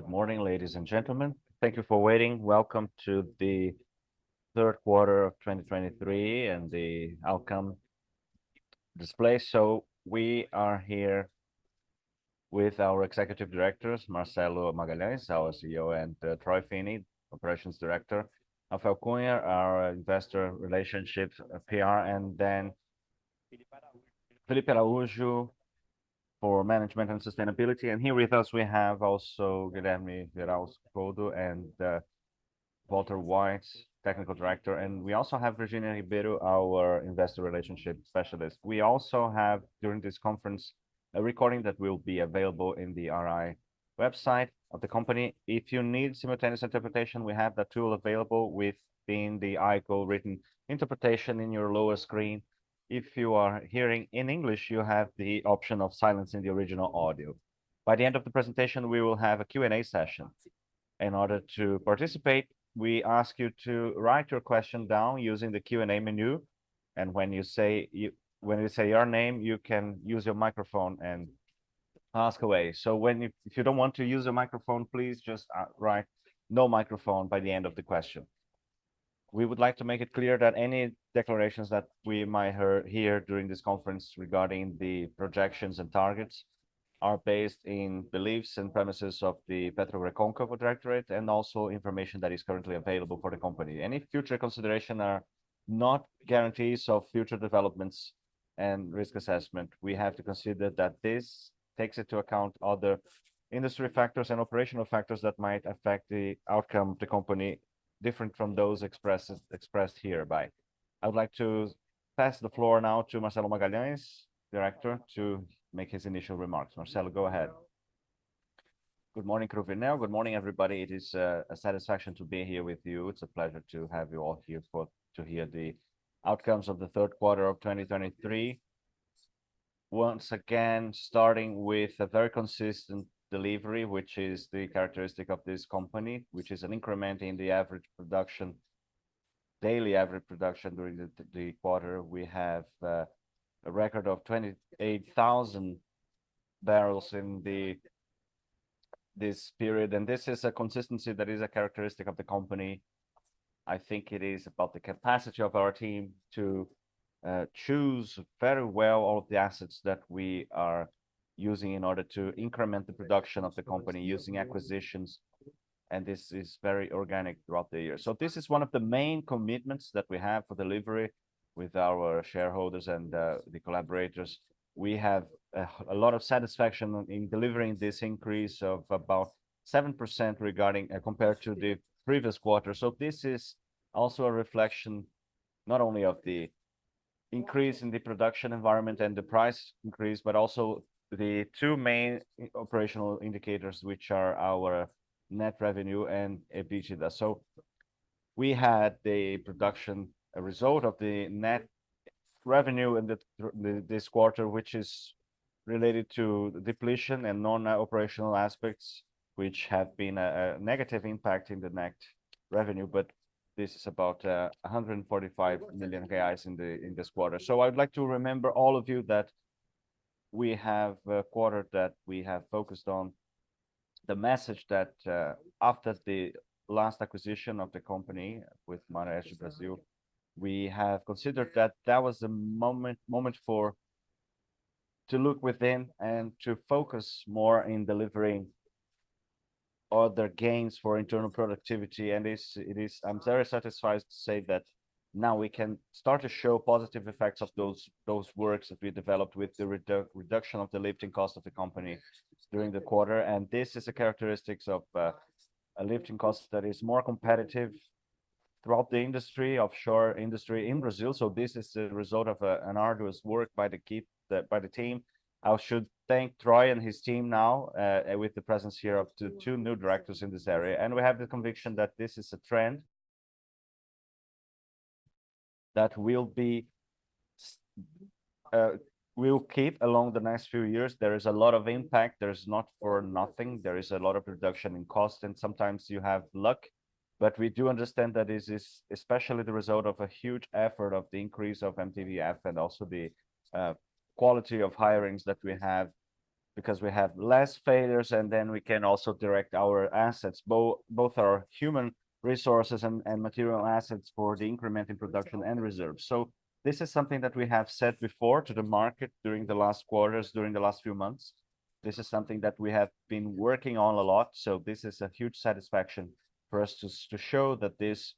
Good morning, ladies and gentlemen. Thank you for waiting. Welcome to the third quarter of 2023 and the outcome display. We are here with our executive directors, Marcelo Magalhães, our CEO, and Troy Finney, Operations Director, Rafael Cunha, our Investor Relations, and then Felipe Araújo. Felipe Araújo for Management and Sustainability. Here with us, we have also Guillermo Leal Foucault and Walter Waes, Technical Director, and we also have Virginia Ribeiro, our Investor Relations Specialist. We also have, during this conference, a recording that will be available in the IR website of the company. If you need simultaneous interpretation, we have that tool available with being the icon written interpretation in your lower screen. If you are hearing in English, you have the option of silencing the original audio. By the end of the presentation, we will have a Q&A session. In order to participate, we ask you to write your question down using the Q&A menu, and when you say your name, you can use your microphone and ask away. If you don't want to use a microphone, please just write, "No microphone," by the end of the question. We would like to make it clear that any declarations that we might hear during this conference regarding the projections and targets are based in beliefs and premises of the PetroReconcavo Directorate, and also information that is currently available for the company. Any future consideration are not guarantees of future developments and risk assessment. We have to consider that this takes into account other industry factors and operational factors that might affect the outcome of the company, different from those expressed hereby. I would like to pass the floor now to Marcelo Magalhães, director, to make his initial remarks. Marcelo, go ahead. Good morning, everybody. It is a satisfaction to be here with you. It's a pleasure to have you all here to hear the outcomes of the third quarter of 2023. Once again, starting with a very consistent delivery, which is the characteristic of this company, which is an increment in the average production. Daily average production during the quarter, we have a record of 28,000 barrels in this period, and this is a consistency that is a characteristic of the company. I think it is about the capacity of our team to choose very well all of the assets that we are using in order to increment the production of the company using acquisitions, and this is very organic throughout the year. This is one of the main commitments that we have for delivery with our shareholders and the collaborators. We have a lot of satisfaction in delivering this increase of about 7% regarding compared to the previous quarter. This is also a reflection not only of the increase in the production environment and the price increase, but also the two main operational indicators, which are our net revenue and EBITDA. So we had the production, a result of the net revenue in the this quarter, which is related to depletion and non-operational aspects, which have been a negative impact in the net revenue, but this is about 145 million reais in this quarter. So I'd like to remember all of you that we have a quarter, that we have focused on the message that after the last acquisition of the company with Maha Energy Brasil, we have considered that that was a moment for to look within and to focus more in delivering other gains for internal productivity, and it is I'm very satisfied to say that now we can start to show positive effects of those works that we developed with the reduction of the lifting cost of the company during the quarter. This is a characteristic of a lifting cost that is more competitive throughout the industry, offshore industry in Brazil. So this is a result of an arduous work by the team. I should thank Troy and his team now, with the presence here of the two new directors in this area, and we have the conviction that this is a trend that will be, will keep along the next few years. There is a lot of impact. There's not for nothing. There is a lot of reduction in cost, and sometimes you have luck, but we do understand that this is especially the result of a huge effort of the increase of MTBF and also the quality of hirings that we have, because we have less failures, and then we can also direct our assets, both our human resources and material assets, for the increment in production and reserves. So this is something that we have said before to the market during the last quarters, during the last few months. This is something that we have been working on a lot, so this is a huge satisfaction for us to show that this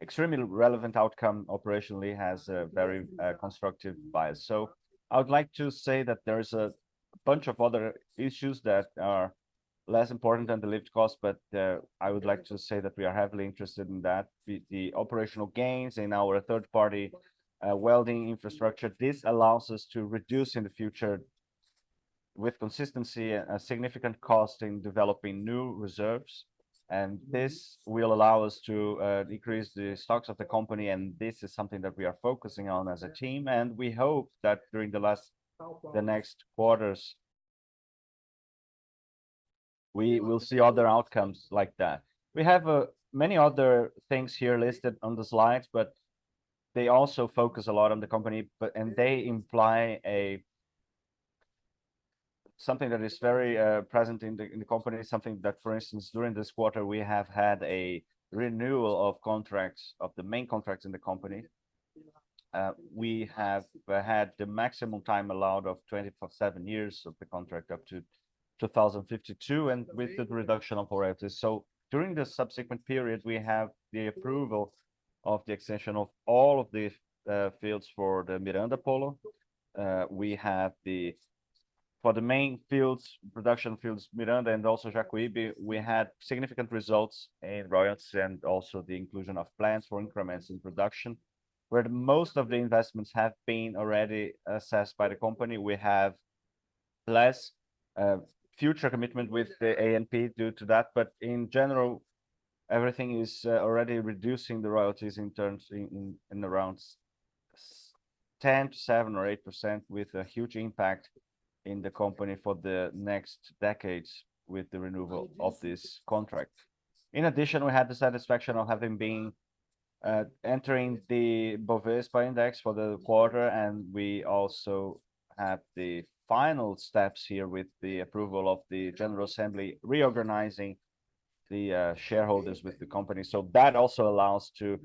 extremely relevant outcome, operationally, has a very constructive bias. So I would like to say that there is a bunch of other issues that are less important than the lift cost, but I would like to say that we are heavily interested in that. The operational gains in our third-party welding infrastructure, this allows us to reduce in the future, with consistency, a significant cost in developing new reserves, and this will allow us to decrease the stocks of the company, and this is something that we are focusing on as a team, and we hope that during the last, the next quarters, we will see other outcomes like that. We have many other things here listed on the slides, but they also focus a lot on the company, but and they imply something that is very present in the company, something that, for instance, during this quarter, we have had a renewal of contracts, of the main contracts in the company. We have had the maximum time allowed of 27 years of the contract, up to 2052, and with the reduction of royalties. So during the subsequent periods, we have the approval of the extension of all of the fields for the Miranga Polo. We have, for the main fields, production fields, Miranga and also Jacuípe, we had significant results in royalties and also the inclusion of plans for increments in production, where most of the investments have been already assessed by the company. We have less future commitment with the ANP due to that, but in general, everything is already reducing the royalties in terms around 7% or 8%, with a huge impact in the company for the next decades with the renewal of this contract. In addition, we had the satisfaction of having been entering the Bovespa index for the quarter, and we also have the final steps here with the approval of the General Assembly, reorganizing the shareholders with the company. So that also allows to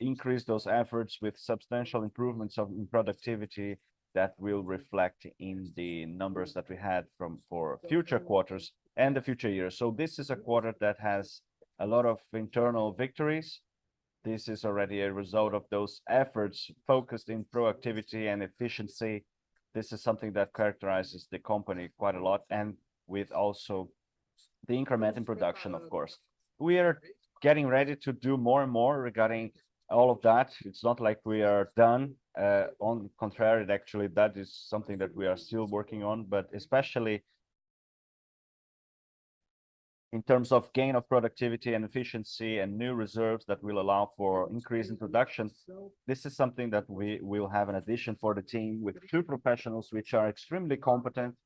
increase those efforts with substantial improvements of productivity that will reflect in the numbers that we had for future quarters and the future years. So this is a quarter that has a lot of internal victories. This is already a result of those efforts focused in productivity and efficiency. This is something that characterizes the company quite a lot, and with also the increment in production, of course. We are getting ready to do more and more regarding all of that. It's not like we are done. On contrary, actually, that is something that we are still working on, but especially in terms of gain of productivity and efficiency and new reserves that will allow for increase in production. This is something that we will have an addition for the team, with two professionals, which are extremely competent,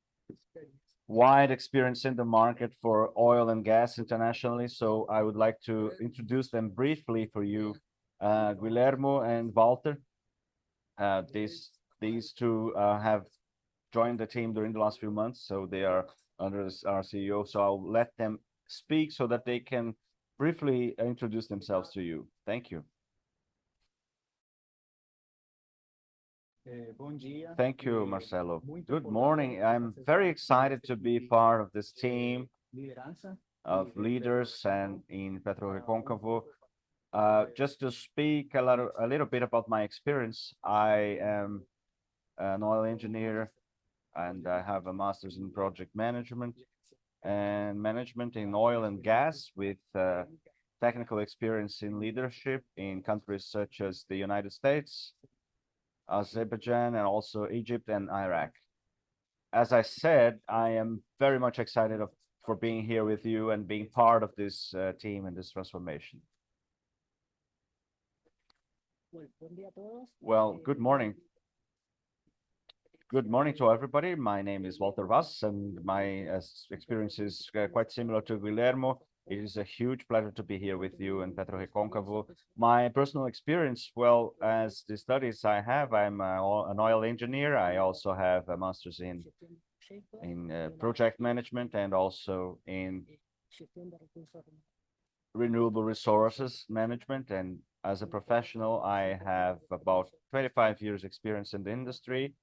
wide experience in the market for oil and gas internationally. So I would like to introduce them briefly for you, Guillermo and Walter. These two have joined the team during the last few months, so they are under our CEO. So I'll let them speak so that they can briefly introduce themselves to you. Thank you. Thank you, Marcelo. Good morning. I'm very excited to be part of this team of leaders and in PetroReconcavo. Just to speak a little bit about my experience, I am an oil engineer, and I have a master's in project management and management in oil and gas, with technical experience in leadership in countries such as the United States, Azerbaijan, and also Egypt and Iraq. As I said, I am very much excited for being here with you and being part of this team and this transformation. Well, good morning. Good morning to everybody. My name is Walter Waes, and my experience is quite similar to Guilherme. It is a huge pleasure to be here with you in PetroReconcavo. My personal experience, well, as the studies I have, I'm an oil engineer. I also have a master's in Project Management and also in Renewable Resources Management, and as a professional, I have about 25 years experience in the industry,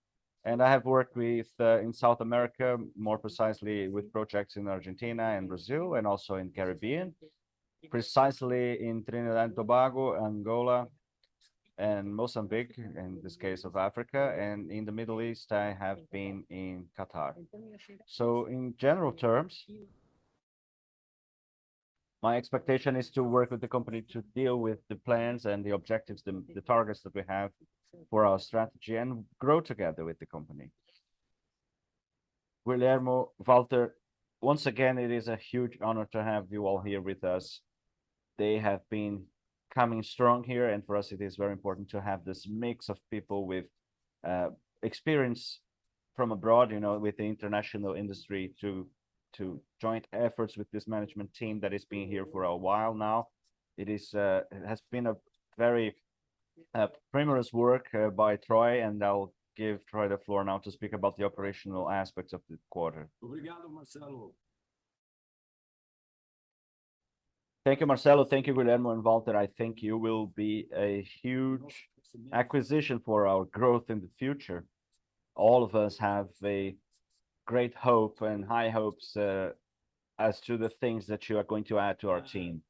and I have worked with in South America, more precisely with projects in Argentina and Brazil, and also in Caribbean. Precisely in Trinidad and Tobago, Angola and Mozambique, in this case of Africa, and in the Middle East, I have been in Qatar. So in general terms, my expectation is to work with the company to deal with the plans and the objectives, the targets that we have for our strategy and grow together with the company. Guillermo, Walter, once again, it is a huge honor to have you all here with us. They have been coming strong here, and for us, it is very important to have this mix of people with experience from abroad, you know, with the international industry, to join efforts with this management team that has been here for a while now. It has been a very tremendous work by Troy, and I'll give Troy the floor now to speak about the operational aspects of the quarter. Thank you, Marcelo. Thank you, Guillermo and Walter. I think you will be a huge acquisition for our growth in the future. All of us have a great hope and high hopes as to the things that you are going to add to our team.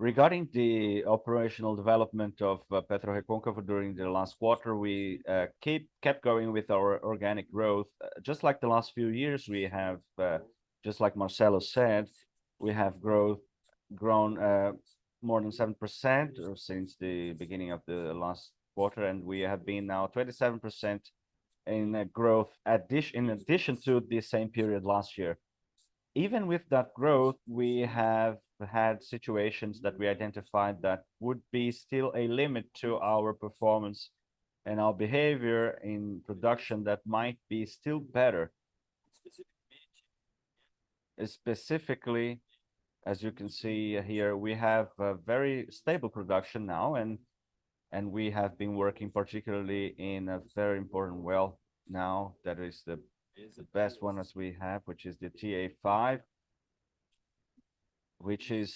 Regarding the operational development of PetroReconcavo during the last quarter, we kept going with our organic growth. Just like the last few years, we have, just like Marcelo said, we have grown more than 7% since the beginning of the last quarter, and we have been now 27% in growth, in addition to the same period last year. Even with that growth, we have had situations that we identified that would be still a limit to our performance and our behavior in production that might be still better. Specifically, as you can see here, we have a very stable production now, and we have been working particularly in a very important well now, that is the best one as we have, which is the Tiê-5. Which has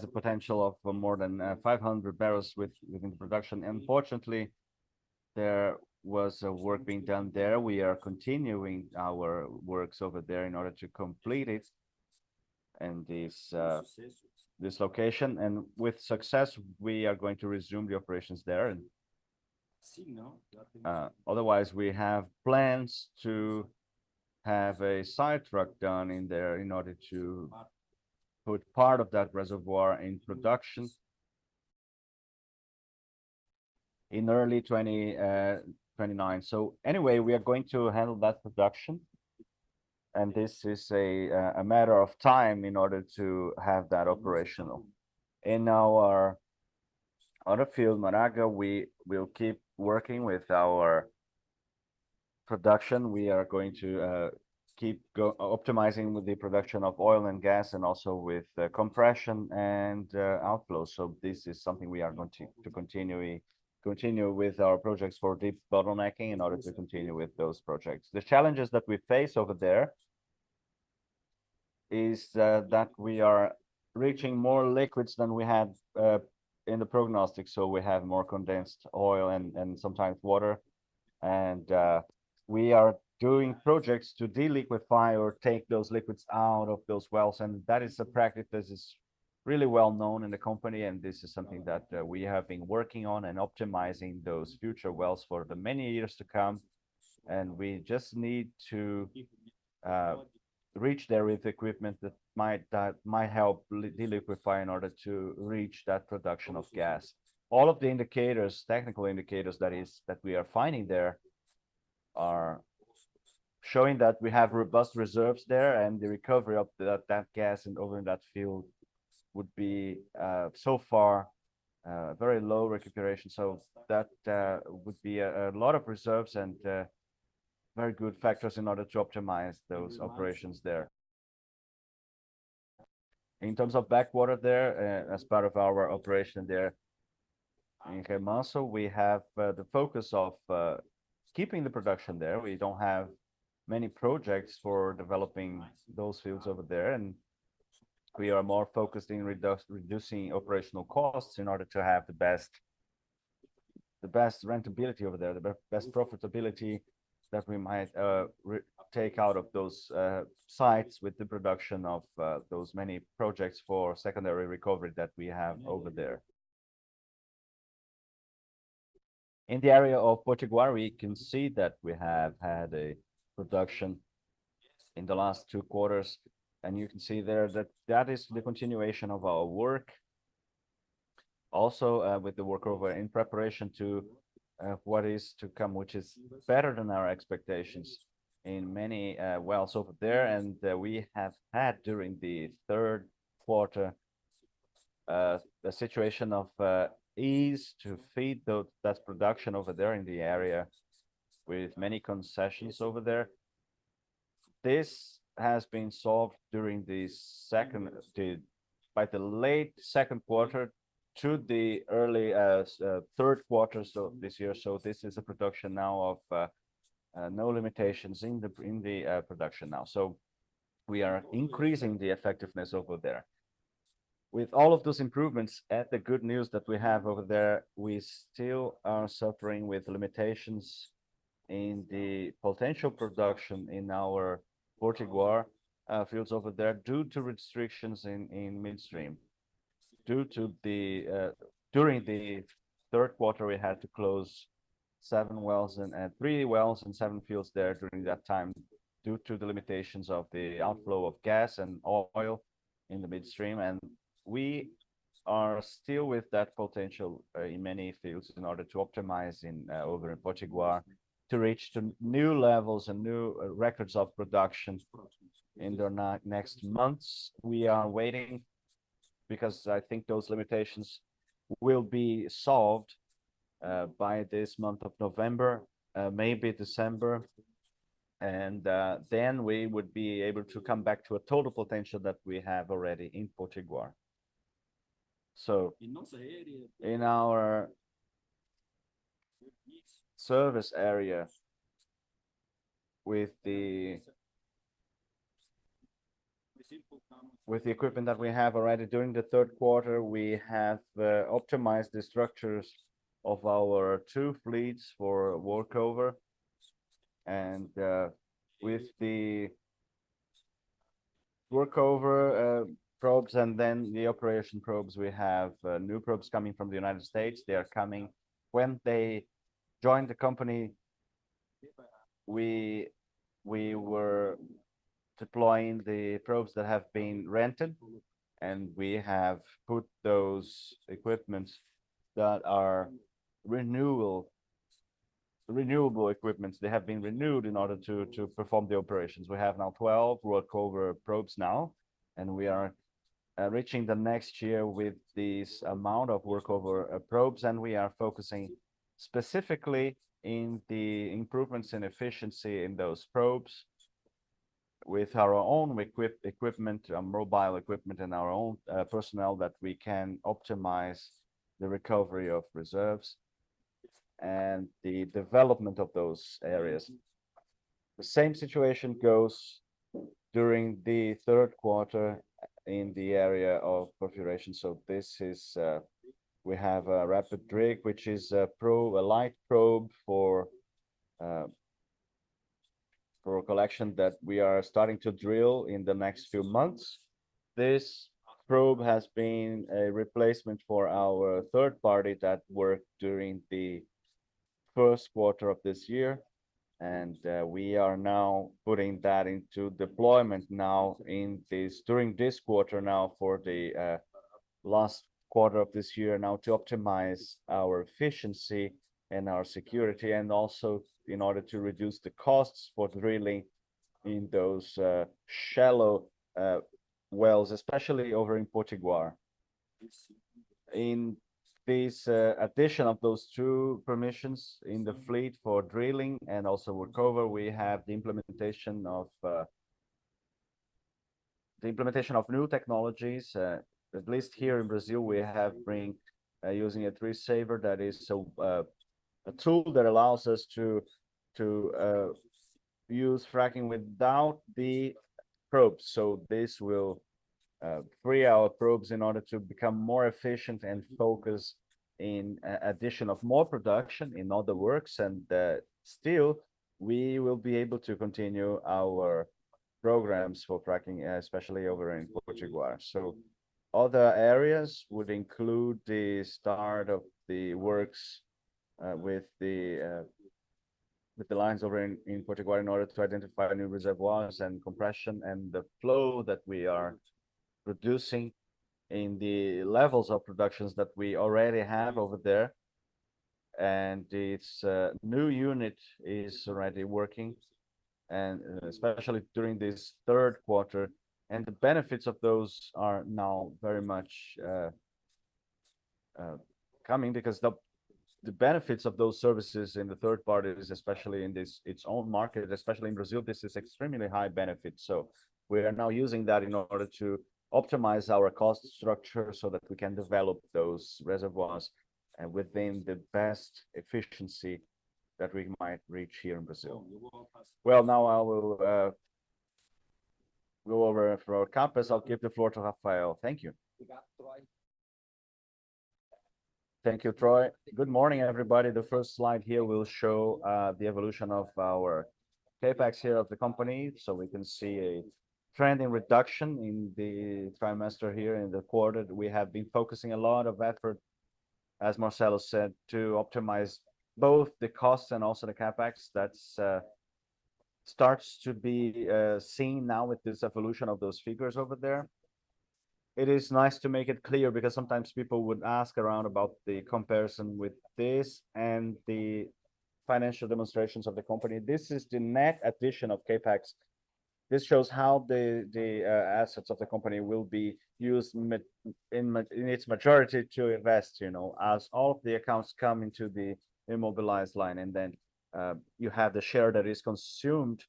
the potential of more than 500 barrels within the production. Unfortunately, there was a work being done there. We are continuing our works over there in order to complete it in this location, and with success, we are going to resume the operations there and otherwise, we have plans to have a sidetrack done in there in order to put part of that reservoir in production in early 2029. So anyway, we are going to handle that production, and this is a matter of time in order to have that operational. In our other field, Miranga, we will keep working with our production. We are going to keep optimizing the production of oil and gas, and also with the compression and outflow. So this is something we are going to continue with our projects for debottlenecking in order to continue with those projects. The challenges that we face over there is that we are reaching more liquids than we have in the prognosis, so we have more condensed oil and sometimes water. We are doing projects to deliquify or take those liquids out of those wells, and that is a practice that is really well known in the company, and this is something that we have been working on and optimizing those future wells for the many years to come. We just need to reach there with equipment that might help deliquify in order to reach that production of gas. All of the indicators, technical indicators that is, that we are finding there are showing that we have robust reserves there, and the recovery of that gas and oil in that field would be so far very low recuperation. So that would be a lot of reserves and very good factors in order to optimize those operations there. In terms of backwater there, as part of our operation there, in Remanso, we have the focus of keeping the production there. We don't have many projects for developing those fields over there, and we are more focused in reducing operational costs in order to have the best rentability over there, the best profitability that we might take out of those sites with the production of those many projects for secondary recovery that we have over there. In the area of Potiguar, we can see that we have had a production in the last two quarters, and you can see there that that is the continuation of our work. Also, with the work over in preparation to what is to come, which is better than our expectations in many wells over there. And we have had, during the third quarter, a situation of ease to feed that production over there in the area, with many concessions over there. This has been solved by the late second quarter to the early third quarter, so this year. So this is a production now of no limitations in the production now. So we are increasing the effectiveness over there. With all of those improvements and the good news that we have over there, we still are suffering with limitations in the potential production in our Potiguar fields over there, due to restrictions in midstream. During the third quarter, we had to close seven wells and three wells and seven fields there during that time, due to the limitations of the outflow of gas and oil in the midstream. We are still with that potential in many fields in order to optimize in over in Potiguar, to reach to new levels and new records of production in the next months. We are waiting, because I think those limitations will be solved by this month of November, maybe December, and then we would be able to come back to a total potential that we have already in Potiguar. In our service area, with the equipment that we have already during the third quarter, we have optimized the structures of our two fleets for workover. With the workover probes and then the operation probes, we have new probes coming from the United States. They are coming. When they joined the company, we were deploying the probes that have been rented, and we have put those equipments that are renewal, renewable equipments. They have been renewed in order to perform the operations. We have now 12 workover probes now, and we are reaching the next year with this amount of workover probes, and we are focusing specifically in the improvements in efficiency in those probes. With our own equipment, mobile equipment, and our own personnel, that we can optimize the recovery of reserves and the development of those areas. The same situation goes during the third quarter in the area of perforation. So this is, we have a Rapid Rig, which is a probe, a light probe for, for collection, that we are starting to drill in the next few months. This probe has been a replacement for our third party that worked during the first quarter of this year, and we are now putting that into deployment during this quarter for the last quarter of this year, to optimize our efficiency and our security, and also in order to reduce the costs for drilling in those, shallow, wells, especially over in Potiguar. In this addition of those two permissions in the fleet for drilling and also workover, we have the implementation of new technologies. At least here in Brazil, we have been using a tree saver that is such a tool that allows us to use fracking without the probes. So this will free our probes in order to become more efficient and focus in a addition of more production in other works, and still, we will be able to continue our programs for fracking, especially over in Potiguar. So other areas would include the start of the works with the lines over in Potiguar, in order to identify new reservoirs and compression, and the flow that we are producing, and the levels of productions that we already have over there. And this new unit is already working, and especially during this third quarter, and the benefits of those are now very much coming. Because the benefits of those services in the third party is, especially in this its own market, especially in Brazil, this is extremely high benefit. So we are now using that in order to optimize our cost structure so that we can develop those reservoirs, and within the best efficiency that we might reach here in Brazil. Well, now I will go over for our CapEx. I'll give the floor to Rafael. Thank you. Thank you, Troy. Good morning, everybody. The first slide here will show the evolution of our CapEx here of the company. So we can see a trending reduction in the quarter here. In the quarter, we have been focusing a lot of effort, as Marcelo said, to optimize both the costs and also the CapEx. That starts to be seen now with this evolution of those figures over there. It is nice to make it clear, because sometimes people would ask around about the comparison with this and the financial statements of the company. This is the net addition of CapEx. This shows how the assets of the company will be used in its majority to invest, you know, as all of the accounts come into the immobilized line, and then you have the share that is consumed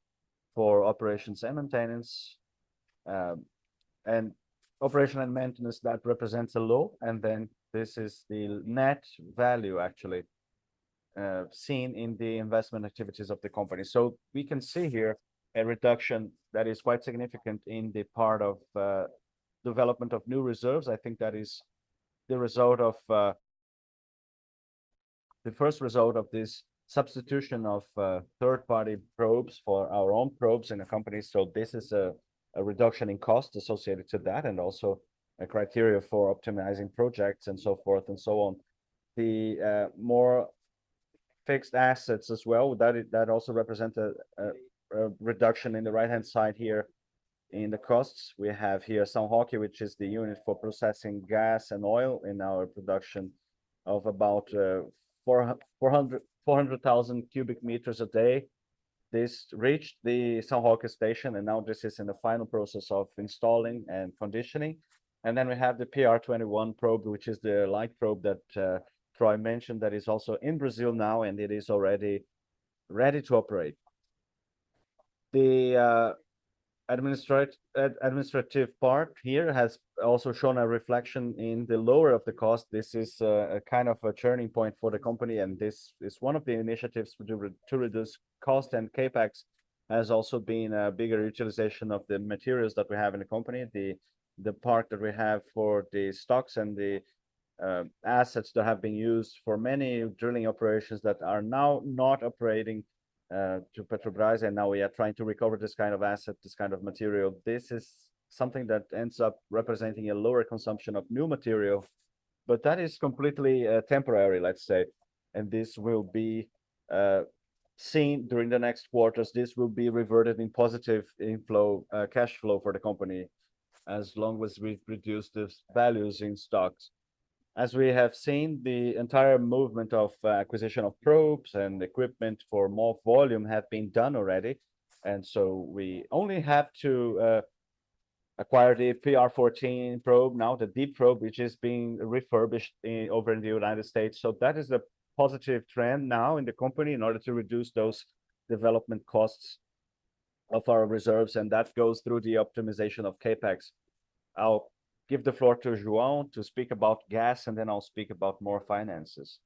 for operations and maintenance. And operation and maintenance, that represents a low, and then this is the net value actually seen in the investment activities of the company. So we can see here a reduction that is quite significant in the part of development of new reserves. I think that is the first result of this substitution of third-party probes for our own probes in the company. So this is a reduction in cost associated to that, and also a criteria for optimizing projects, and so forth, and so on. The more fixed assets as well, that also represent a reduction in the right-hand side here in the costs. We have here São Roque, which is the unit for processing gas and oil in our production of about 400,000 cubic meters a day. This reached the São Roque Station, and now this is in the final process of installing and conditioning. And then we have the PR-21 probe, which is the light probe that Troy mentioned, that is also in Brazil now, and it is already ready to operate. The administrative part here has also shown a reflection in the lower of the cost. This is a kind of a turning point for the company, and this is one of the initiatives to reduce cost, and CapEx has also been a bigger utilization of the materials that we have in the company. The part that we have for the stocks and the assets that have been used for many drilling operations that are now not operating to Petrobras, and now we are trying to recover this kind of asset, this kind of material. This is something that ends up representing a lower consumption of new material, but that is completely temporary, let's say, and this will be seen during the next quarters. This will be reverted in positive inflow, cash flow for the company, as long as we've reduced these values in stocks. As we have seen, the entire movement of acquisition of probes and equipment for more volume have been done already, and so we only have to acquire the PR-14 probe now, the deep probe, which is being refurbished over in the United States. So that is a positive trend now in the company in order to reduce those development costs of our reserves, and that goes through the optimization of CapEx. I'll give the floor to João to speak about gas, and then I'll speak about more finances.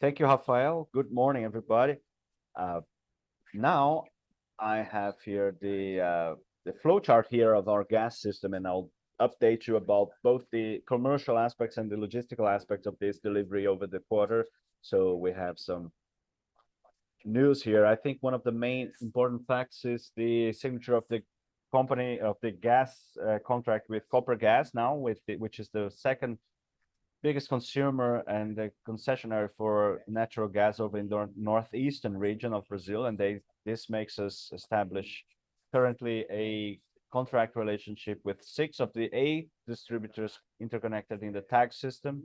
Thank you, Rafael. Good morning, everybody. Now, I have here the flowchart here of our gas system, and I'll update you about both the commercial aspects and the logistical aspects of this delivery over the quarter. So we have some news here. I think one of the main important facts is the signature of the company, of the gas, contract with Copergás now, which is the second biggest consumer and the concessionaire for natural gas over in the northeastern region of Brazil, and this makes us establish currently a contract relationship with six of the eight distributors interconnected in the TAG system.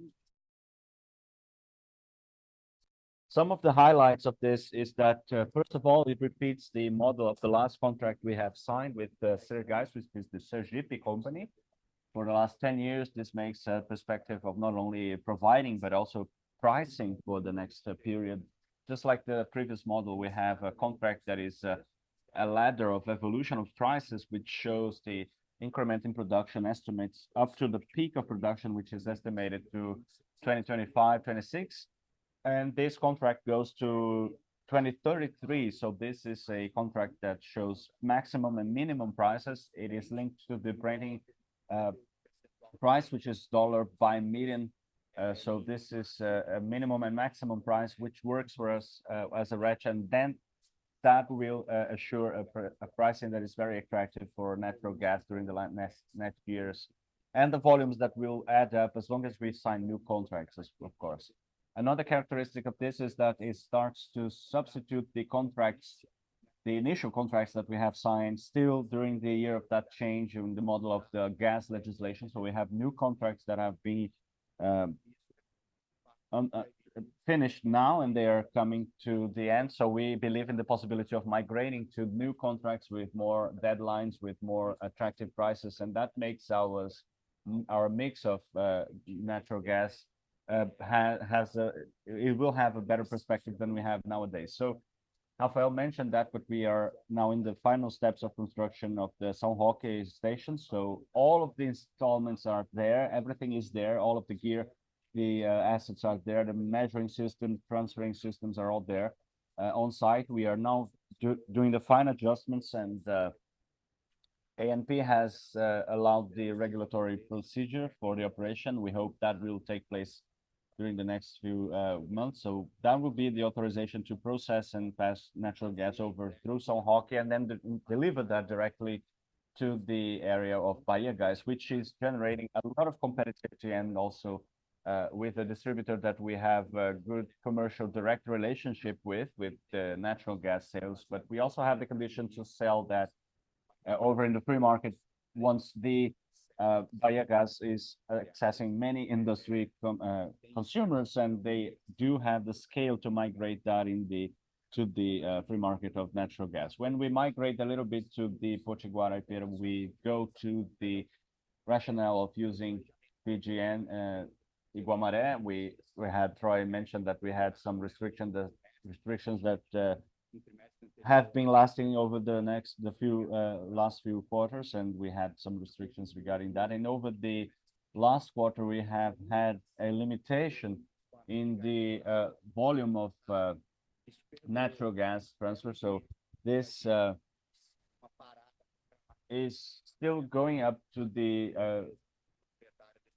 Some of the highlights of this is that, first of all, it repeats the model of the last contract we have signed with Sergas, which is the Sergipe company. For the last 10 years, this makes a perspective of not only providing, but also pricing for the next period. Just like the previous model, we have a contract that is a ladder of evolution of prices, which shows the increment in production estimates up to the peak of production, which is estimated to 2025, 2026, and this contract goes to 2033. So this is a contract that shows maximum and minimum prices. It is linked to the Brent price, which is dollar per million. So this is a minimum and maximum price, which works for us as a hedge, and then that will assure a pricing that is very attractive for natural gas during the next years, and the volumes that will add up, as long as we sign new contracts, of course. Another characteristic of this is that it starts to substitute the contracts, the initial contracts that we have signed still during the year of that change in the model of the gas legislation. So we have new contracts that have been finished now, and they are coming to the end. So we believe in the possibility of migrating to new contracts with more deadlines, with more attractive prices, and that makes our our mix of natural gas has. It will have a better perspective than we have nowadays. So Rafael mentioned that, but we are now in the final steps of construction of the São Roque Station. So all of the installments are there, everything is there, all of the gear, the assets are there, the measuring system, transferring systems are all there on site. We are now doing the fine adjustments, and ANP has allowed the regulatory procedure for the operation. We hope that will take place during the next few months. So that will be the authorization to process and pass natural gas over through São Roque, and then deliver that directly to the area of Bahiagás, which is generating a lot of competitiveness, and also with the distributor that we have a good commercial direct relationship with, with the natural gas sales. But we also have the condition to sell that over in the free market once the Bahiagás is accessing many industrial consumers, and they do have the scale to migrate that to the free market of natural gas. When we migrate a little bit to the Potiguar area, we go to the rationale of using UPGN Guamaré. We had, Troy mentioned that we had some restriction, the restrictions that have been lasting over the next, the few, last few quarters, and we had some restrictions regarding that. And over the last quarter, we have had a limitation in the volume of natural gas transfer, so this is still going up to the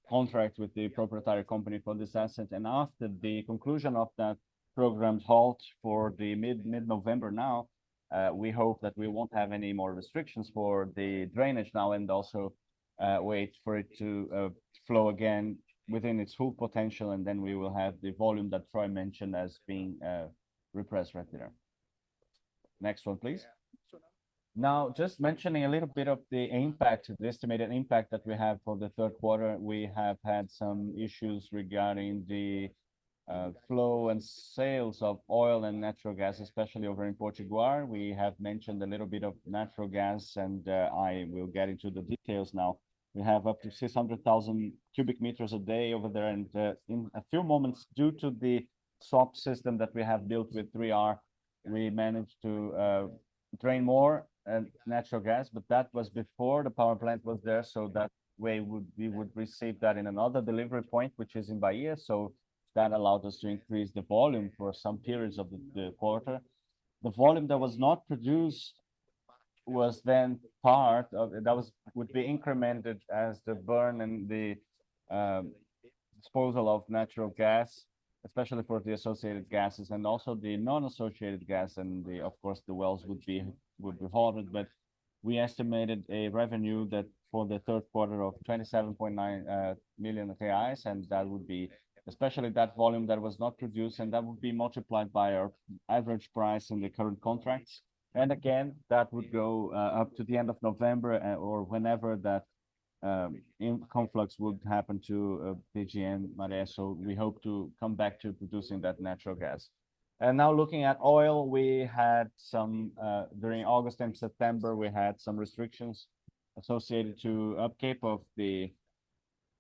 contract with the proprietary company for this asset. And after the conclusion of that program's halt for the mid, mid-November now, we hope that we won't have any more restrictions for the drainage now, and also wait for it to flow again within its full potential, and then we will have the volume that Troy mentioned as being repressed right there. Next one, please. Now, just mentioning a little bit of the impact, the estimated impact that we have for the third quarter. We have had some issues regarding the flow and sales of oil and natural gas, especially over in Potiguar. We have mentioned a little bit of natural gas, and I will get into the details now. We have up to 600,000 cubic meters a day over there, and in a few moments, due to the swap system that we have built with 3R, we managed to drain more natural gas, but that was before the power plant was there, so that way, we would receive that in another delivery point, which is in Bahia. So that allowed us to increase the volume for some periods of the quarter. The volume that was not produced was then part of... That would be incremented as the burn and the disposal of natural gas, especially for the associated gases, and also the non-associated gas, and of course, the wells would be halted. But we estimated a revenue that, for the third quarter of 27.9 million, and that would be, especially that volume that was not produced, and that would be multiplied by our average price in the current contracts. And again, that would go up to the end of November, or whenever that influx would happen to UPGN Guamaré, so we hope to come back to producing that natural gas. And now looking at oil, we had some during August and September, we had some restrictions associated to upkeep of the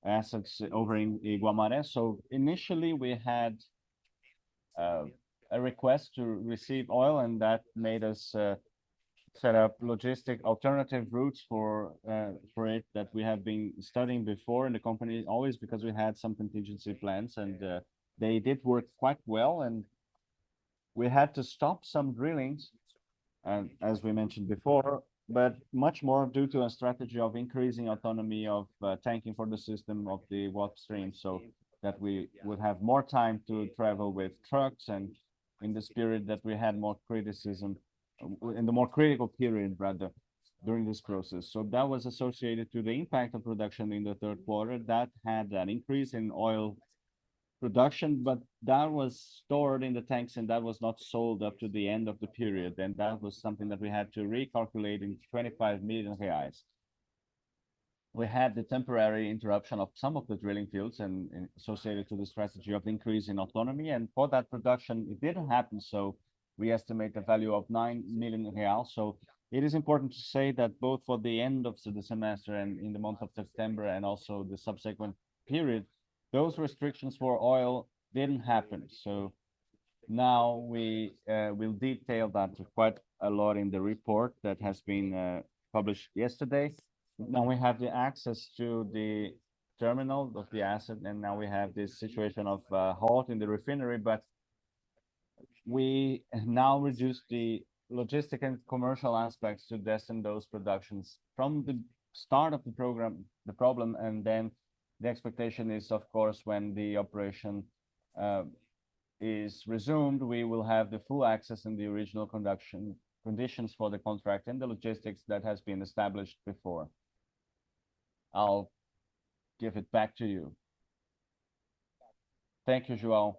assets over in Guamaré. So initially, we had a request to receive oil, and that made us set up logistic alternative routes for it that we have been studying before, and the company always because we had some contingency plans, and they did work quite well. And we had to stop some drillings, as we mentioned before, but much more due to a strategy of increasing autonomy of tanking for the system of the work stream, so that we would have more time to travel with trucks, and in this period that we had more criticism, in the more critical period, rather, during this process. So that was associated to the impact of production in the third quarter. That had an increase in oil production, but that was stored in the tanks, and that was not sold up to the end of the period, and that was something that we had to recalculate in 25 million reais. We had the temporary interruption of some of the drilling fields and associated to the strategy of increasing autonomy, and for that production, it didn't happen, so we estimate the value of 9 million real. So it is important to say that both for the end of the semester and in the month of September, and also the subsequent periods, those restrictions for oil didn't happen. So now we will detail that quite a lot in the report that has been published yesterday. Now we have the access to the terminal of the asset, and now we have this situation of halt in the refinery, but we now reduce the logistic and commercial aspects to destine those productions from the start of the program, the problem, and then the expectation is, of course, when the operation is resumed, we will have the full access and the original conduction, conditions for the contract and the logistics that has been established before. I'll give it back to you. Thank you, João.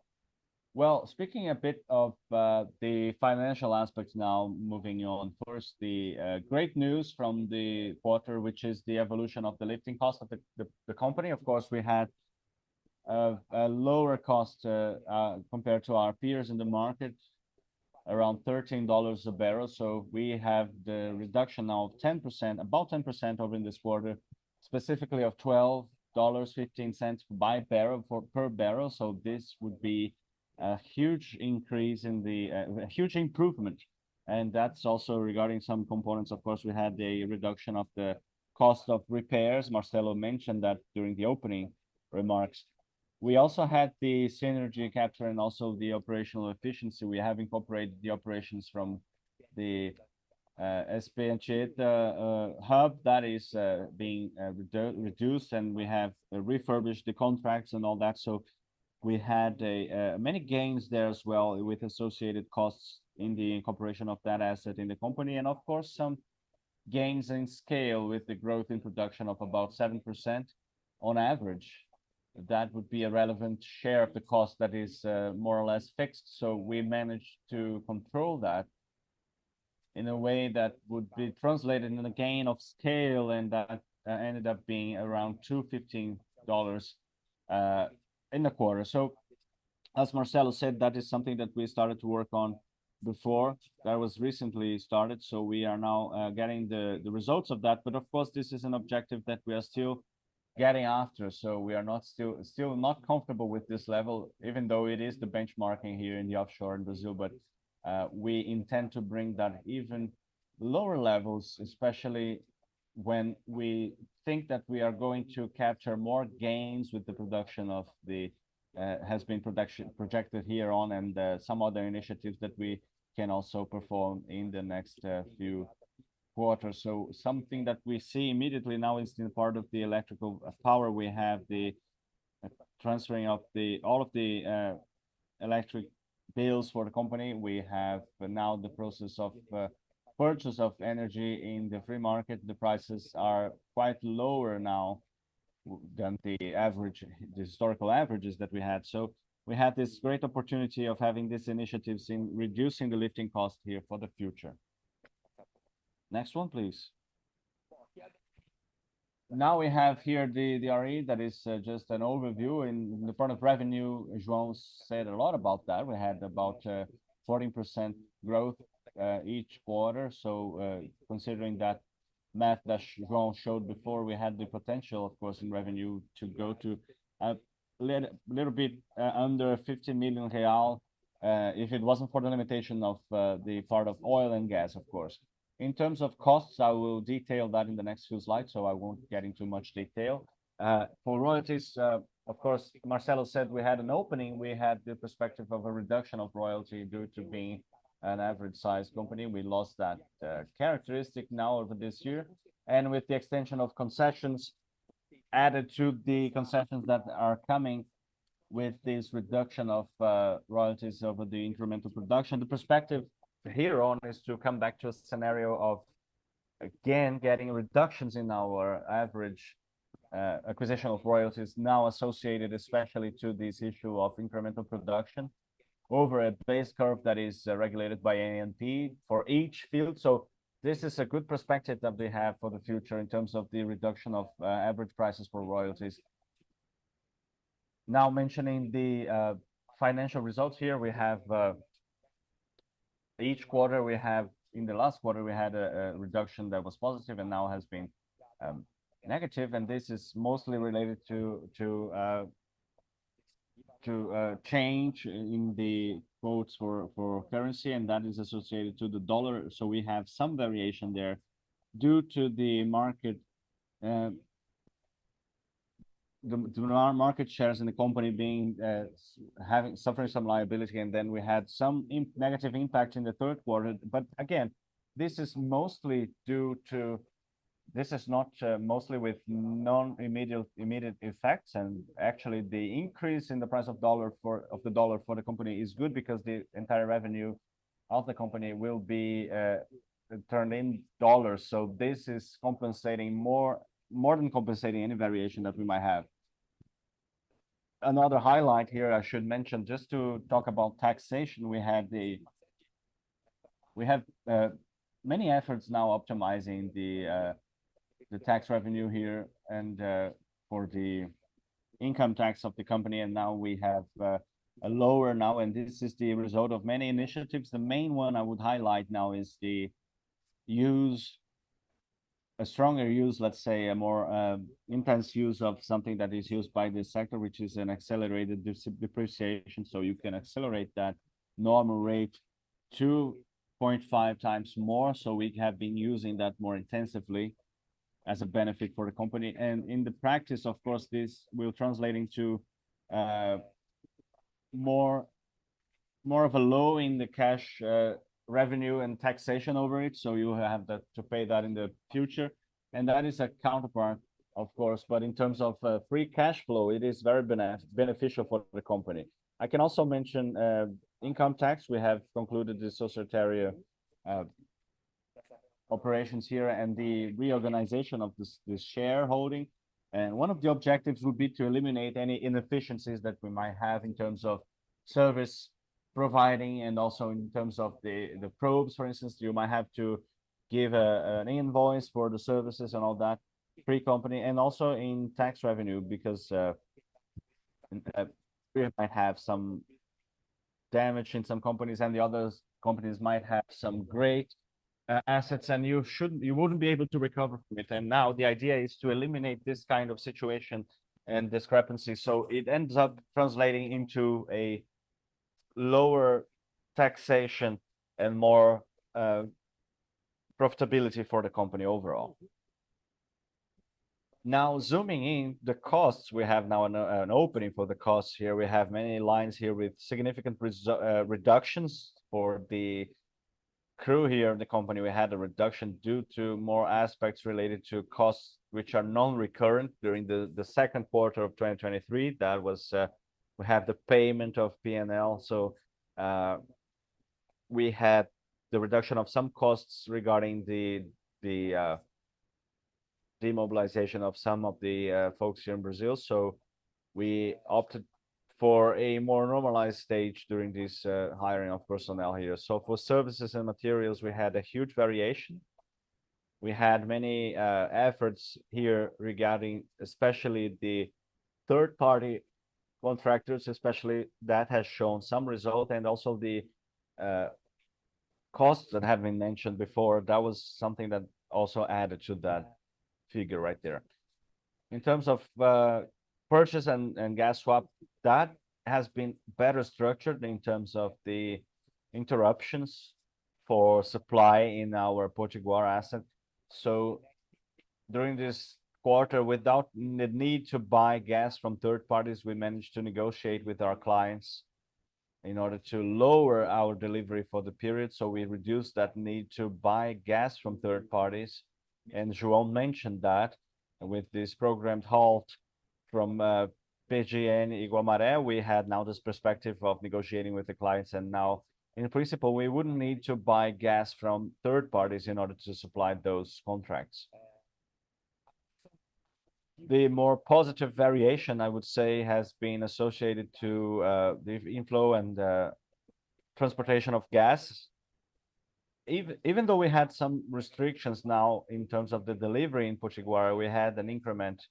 Well, speaking a bit of the financial aspects now, moving on. First, the great news from the quarter, which is the evolution of the lifting cost of the, the, the company. Of course, we had a lower cost compared to our peers in the market, around $13 a barrel. So we have the reduction now of 10%, about 10% over in this quarter, specifically of $12.15 per barrel, so this would be a huge increase in the, a huge improvement, and that's also regarding some components. Of course, we had the reduction of the cost of repairs. Marcelo mentioned that during the opening remarks. We also had the synergy capture and also the operational efficiency. We have incorporated the operations from the SPE, the hub that is being reduced, and we have refurbished the contracts and all that. So we had many gains there as well, with associated costs in the incorporation of that asset in the company, and of course, some gains in scale with the growth in production of about 7% on average. That would be a relevant share of the cost that is, more or less fixed, so we managed to control that in a way that would be translated in a gain of scale, and that ended up being around $215 in the quarter. So, as Marcelo said, that is something that we started to work on before. That was recently started, so we are now getting the results of that. But of course, this is an objective that we are still getting after, so we are still not comfortable with this level, even though it is the benchmarking here in the offshore in Brazil. But, we intend to bring that even lower levels, especially when we think that we are going to capture more gains with the production of the, has been production- projected here on, and, some other initiatives that we can also perform in the next, few quarters. So something that we see immediately now is in part of the electrical power. We have the transferring of the, all of the, electric bills for the company. We have now the process of, purchase of energy in the free market. The prices are quite lower now than the average, the historical averages that we had. So we have this great opportunity of having these initiatives in reducing the lifting costs here for the future. Next one, please. Now we have here the, the RE. That is, just an overview. In the front of revenue, João said a lot about that. We had about 14% growth each quarter. So, considering that math that João showed before, we had the potential, of course, in revenue, to go to a little bit under 50 million real if it wasn't for the limitation of the part of oil and gas, of course. In terms of costs, I will detail that in the next few slides, so I won't get into much detail. For royalties, of course, Marcelo said we had an opening. We had the perspective of a reduction of royalty due to being an average-sized company. We lost that characteristic now over this year, and with the extension of concessions added to the concessions that are coming with this reduction of royalties over the incremental production, the perspective here on is to come back to a scenario of, again, getting reductions in our average acquisition of royalties now associated, especially to this issue of incremental production over a base curve that is regulated by ANP for each field. So this is a good perspective that we have for the future in terms of the reduction of average prices for royalties. Now, mentioning the financial results here, we have each quarter we have—in the last quarter, we had a reduction that was positive and now has been negative, and this is mostly related to change in the quotes for currency, and that is associated to the U.S. dollar. We have some variation there due to the market, our market shares in the company being, having, suffering some liability, and then we had some negative impact in the third quarter. Again, this is mostly due to... This is not mostly with non-immediate, immediate effects, and actually, the increase in the price of the U.S. dollar for the company is good because the entire revenue of the company will be turned in U.S. dollars. So this is compensating more, more than compensating any variation that we might have. Another highlight here I should mention, just to talk about taxation. We have many efforts now optimizing the tax revenue here and for the income tax of the company, and now we have a lower now, and this is the result of many initiatives. The main one I would highlight now is the use, a stronger use, let's say, a more intense use of something that is used by this sector, which is an accelerated depreciation. So you can accelerate that normal rate 2.5x more. So we have been using that more intensively as a benefit for the company. In the practice, of course, this will translate into more of a low in the cash revenue and taxation over it. So you have that to pay that in the future, and that is a counterpart, of course, but in terms of free cash flow, it is very beneficial for the company. I can also mention income tax. We have concluded the societário operations here and the reorganization of this shareholding. And one of the objectives would be to eliminate any inefficiencies that we might have in terms of service providing and also in terms of the probes, for instance. You might have to give an invoice for the services and all that pre-company, and also in tax revenue, because we might have some damage in some companies, and the other companies might have some great assets, and you shouldn't—you wouldn't be able to recover from it. Now, the idea is to eliminate this kind of situation and discrepancy, so it ends up translating into a lower taxation and more profitability for the company overall. Now, zooming in, the costs, we have now an opening for the costs here. We have many lines here with significant reductions for the crew here in the company. We had a reduction due to more aspects related to costs, which are non-recurrent during the second quarter of 2023. That was, we had the payment of P&L, so, we had the reduction of some costs regarding the demobilization of some of the folks here in Brazil. So we opted for a more normalized stage during this hiring of personnel here. So for services and materials, we had a huge variation. We had many efforts here regarding, especially the third-party contractors especially. That has shown some result, and also the costs that have been mentioned before, that was something that also added to that figure right there. In terms of purchase and gas swap, that has been better structured in terms of the interruptions for supply in our Potiguar asset. So during this quarter, without the need to buy gas from third parties, we managed to negotiate with our clients in order to lower our delivery for the period. We reduced that need to buy gas from third parties. And João mentioned that with this programmed halt from UPGN Guamaré, we had now this perspective of negotiating with the clients, and now, in principle, we wouldn't need to buy gas from third parties in order to supply those contracts. The more positive variation, I would say, has been associated to the inflow and transportation of gas. Even though we had some restrictions now in terms of the delivery in Potiguar, we had an increment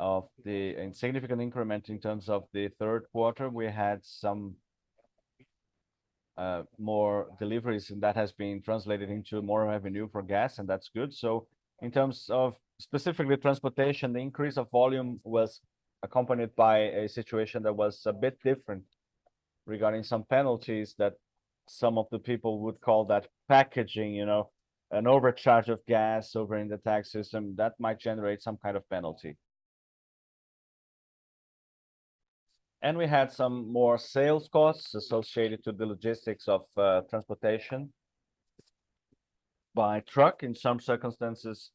of the. A significant increment in terms of the third quarter. We had some more deliveries, and that has been translated into more revenue for gas, and that's good. So in terms of specifically transportation, the increase of volume was accompanied by a situation that was a bit different regarding some penalties that some of the people would call that packaging, you know, an overcharge of gas over in the TAG system, that might generate some kind of penalty. And we had some more sales costs associated to the logistics of transportation by truck. In some circumstances,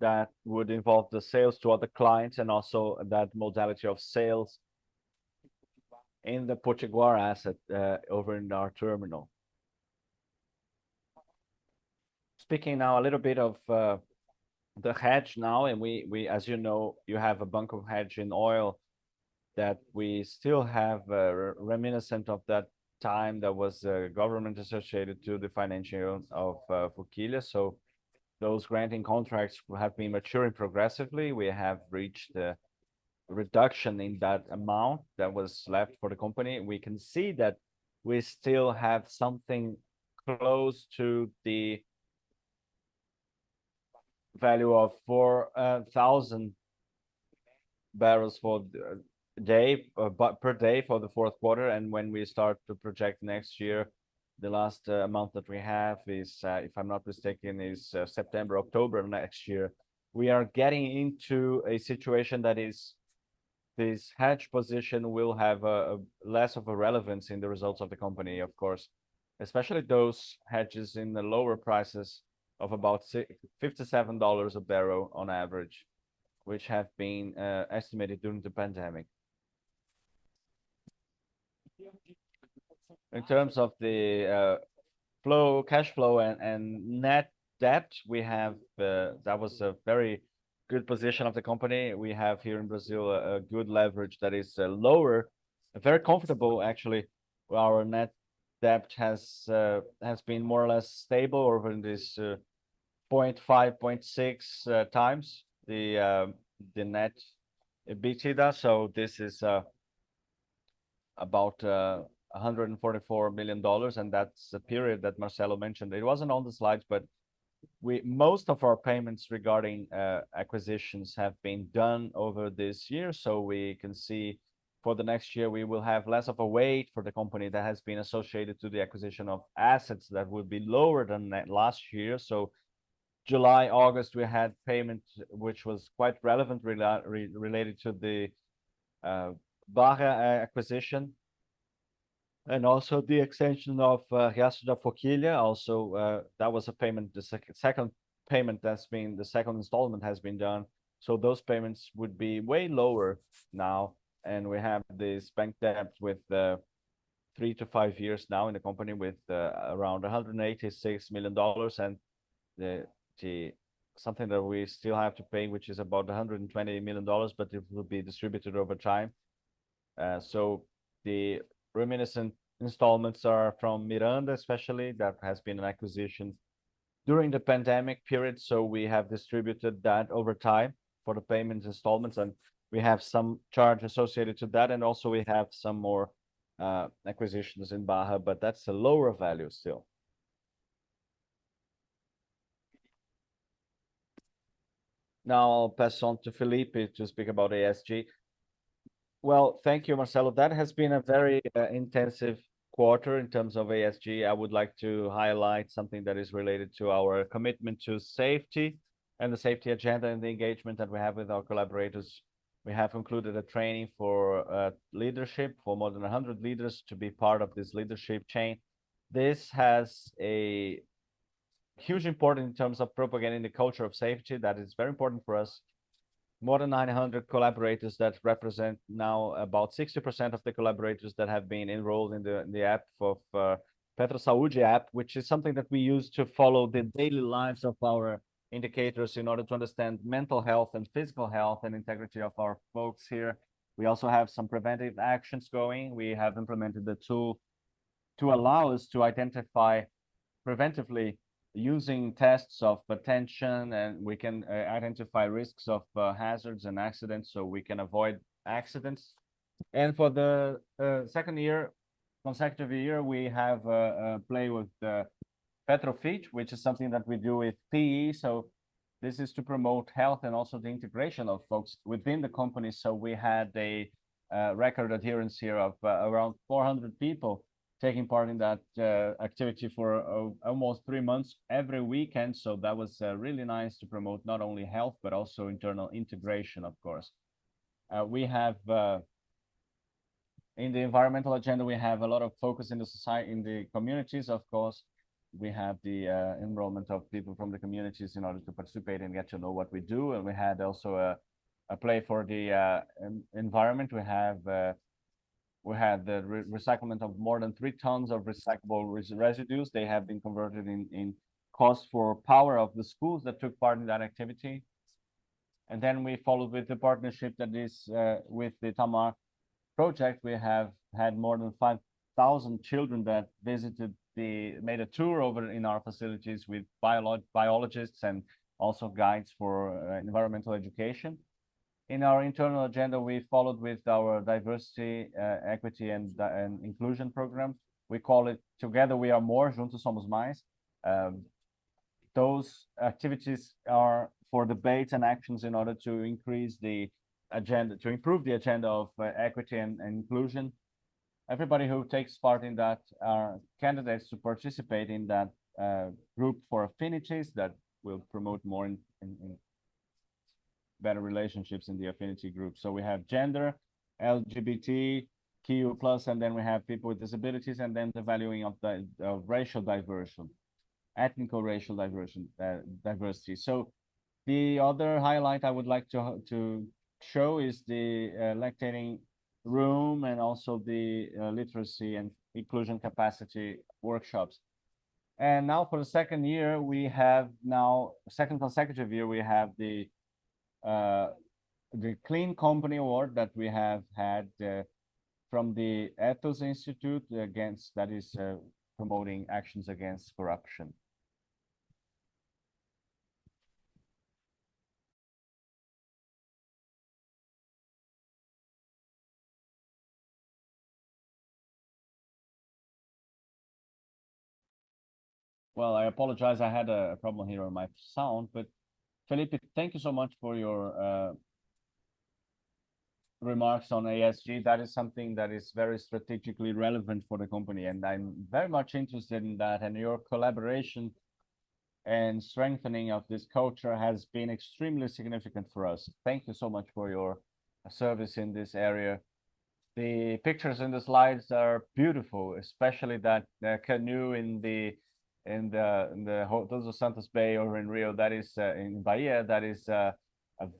that would involve the sales to other clients, and also that modality of sales in the Potiguar asset over in our terminal. Speaking now a little bit of the hedge now, and we, as you know, you have a bunk of hedge in oil that we still have, reminiscent of that time there was a government associated to the financial of Forquilha. So those granting contracts have been maturing progressively. We have reached the reduction in that amount that was left for the company, and we can see that we still have something close to the value of 4,000 barrels for the day, but per day for the fourth quarter. When we start to project next year, the last amount that we have is, if I'm not mistaken, is September, October next year. We are getting into a situation that is, this hedge position will have less of a relevance in the results of the company, of course, especially those hedges in the lower prices of about $67 a barrel on average, which have been estimated during the pandemic. In terms of the flow, cash flow and, and net debt, we have that was a very good position of the company. We have here in Brazil, a good leverage that is lower, very comfortable actually. Our net debt has been more or less stable over this 0.5x-0.6x the net EBITDA, so this is about $144 million, and that's the period that Marcelo mentioned. It wasn't on the slides, but most of our payments regarding acquisitions have been done over this year. So we can see for the next year, we will have less of a weight for the company that has been associated to the acquisition of assets that would be lower than that last year. So July, August, we had payment, which was quite relevant related to the Bahia acquisition, and also the extension of Riacho da Forquilha. The second installment has been done. So those payments would be way lower now, and we have this bank debt with three to five years now in the company, with around $186 million, and the something that we still have to pay, which is about $120 million, but it will be distributed over time. So the remaining installments are from Miranga, especially, that has been an acquisition during the pandemic period, so we have distributed that over time for the payments installments, and we have some charge associated to that. And also we have some more acquisitions in Barra, but that's a lower value still. Now I'll pass on to Felipe to speak about ESG. Well, thank you, Marcelo. That has been a very intensive quarter in terms of ESG. I would like to highlight something that is related to our commitment to safety and the safety agenda, and the engagement that we have with our collaborators. We have included a training for leadership, for more than 100 leaders to be part of this leadership chain. This has a huge importance in terms of propagating the culture of safety. That is very important for us. More than 900 collaborators that represent now about 60% of the collaborators that have been enrolled in the PetroSaúde app, which is something that we use to follow the daily lives of our indicators in order to understand mental health and physical health, and integrity of our folks here. We also have some preventive actions going. We have implemented the tool to allow us to identify preventively, using tests of attention, and we can identify risks of hazards and accidents, so we can avoid accidents. And for the second year, consecutive year, we have a play with PetroFit, which is something that we do with PE. So this is to promote health and also the integration of folks within the company. So we had a record adherence here of around 400 people taking part in that activity for almost three months, every weekend. So that was really nice to promote not only health, but also internal integration, of course. We have in the environmental agenda, we have a lot of focus in the communities, of course. We have the enrollment of people from the communities in order to participate and get to know what we do. We had also a play for the environment. We had the recycling of more than three tons of recyclable residues. They have been converted in costs for power of the schools that took part in that activity. Then we followed with the partnership that is with the Tamar Project. We have had more than 5,000 children that visited, made a tour over in our facilities with biologists and also guides for environmental education. In our internal agenda, we followed with our diversity, equity, and inclusion programs. We call it Together We Are More, Juntos Somos Mais. Those activities are for debates and actions in order to increase the agenda, to improve the agenda of equity and inclusion. Everybody who takes part in that are candidates to participate in that group for affinities, that will promote more and better relationships in the affinity group. So we have gender, LGBTQ+, and then we have people with disabilities, and then the valuing of the racial diversity, ethnic or racial diversity, diversity. The other highlight I would like to show is the lactation room, and also the literacy and inclusion capacity workshops. And now for the second year, we have now, second consecutive year, we have the Clean Company Award that we have had from the Ethos Institute, that is promoting actions against corruption. Well, I apologize, I had a problem here on my sound, but Felipe, thank you so much for your remarks on ESG. That is something that is very strategically relevant for the company, and I'm very much interested in that. And your collaboration and strengthening of this culture has been extremely significant for us. Thank you so much for your service in this area. The pictures in the slides are beautiful, especially that canoe in the Todos os Santos Bay or in Rio, that is in Bahia. That is a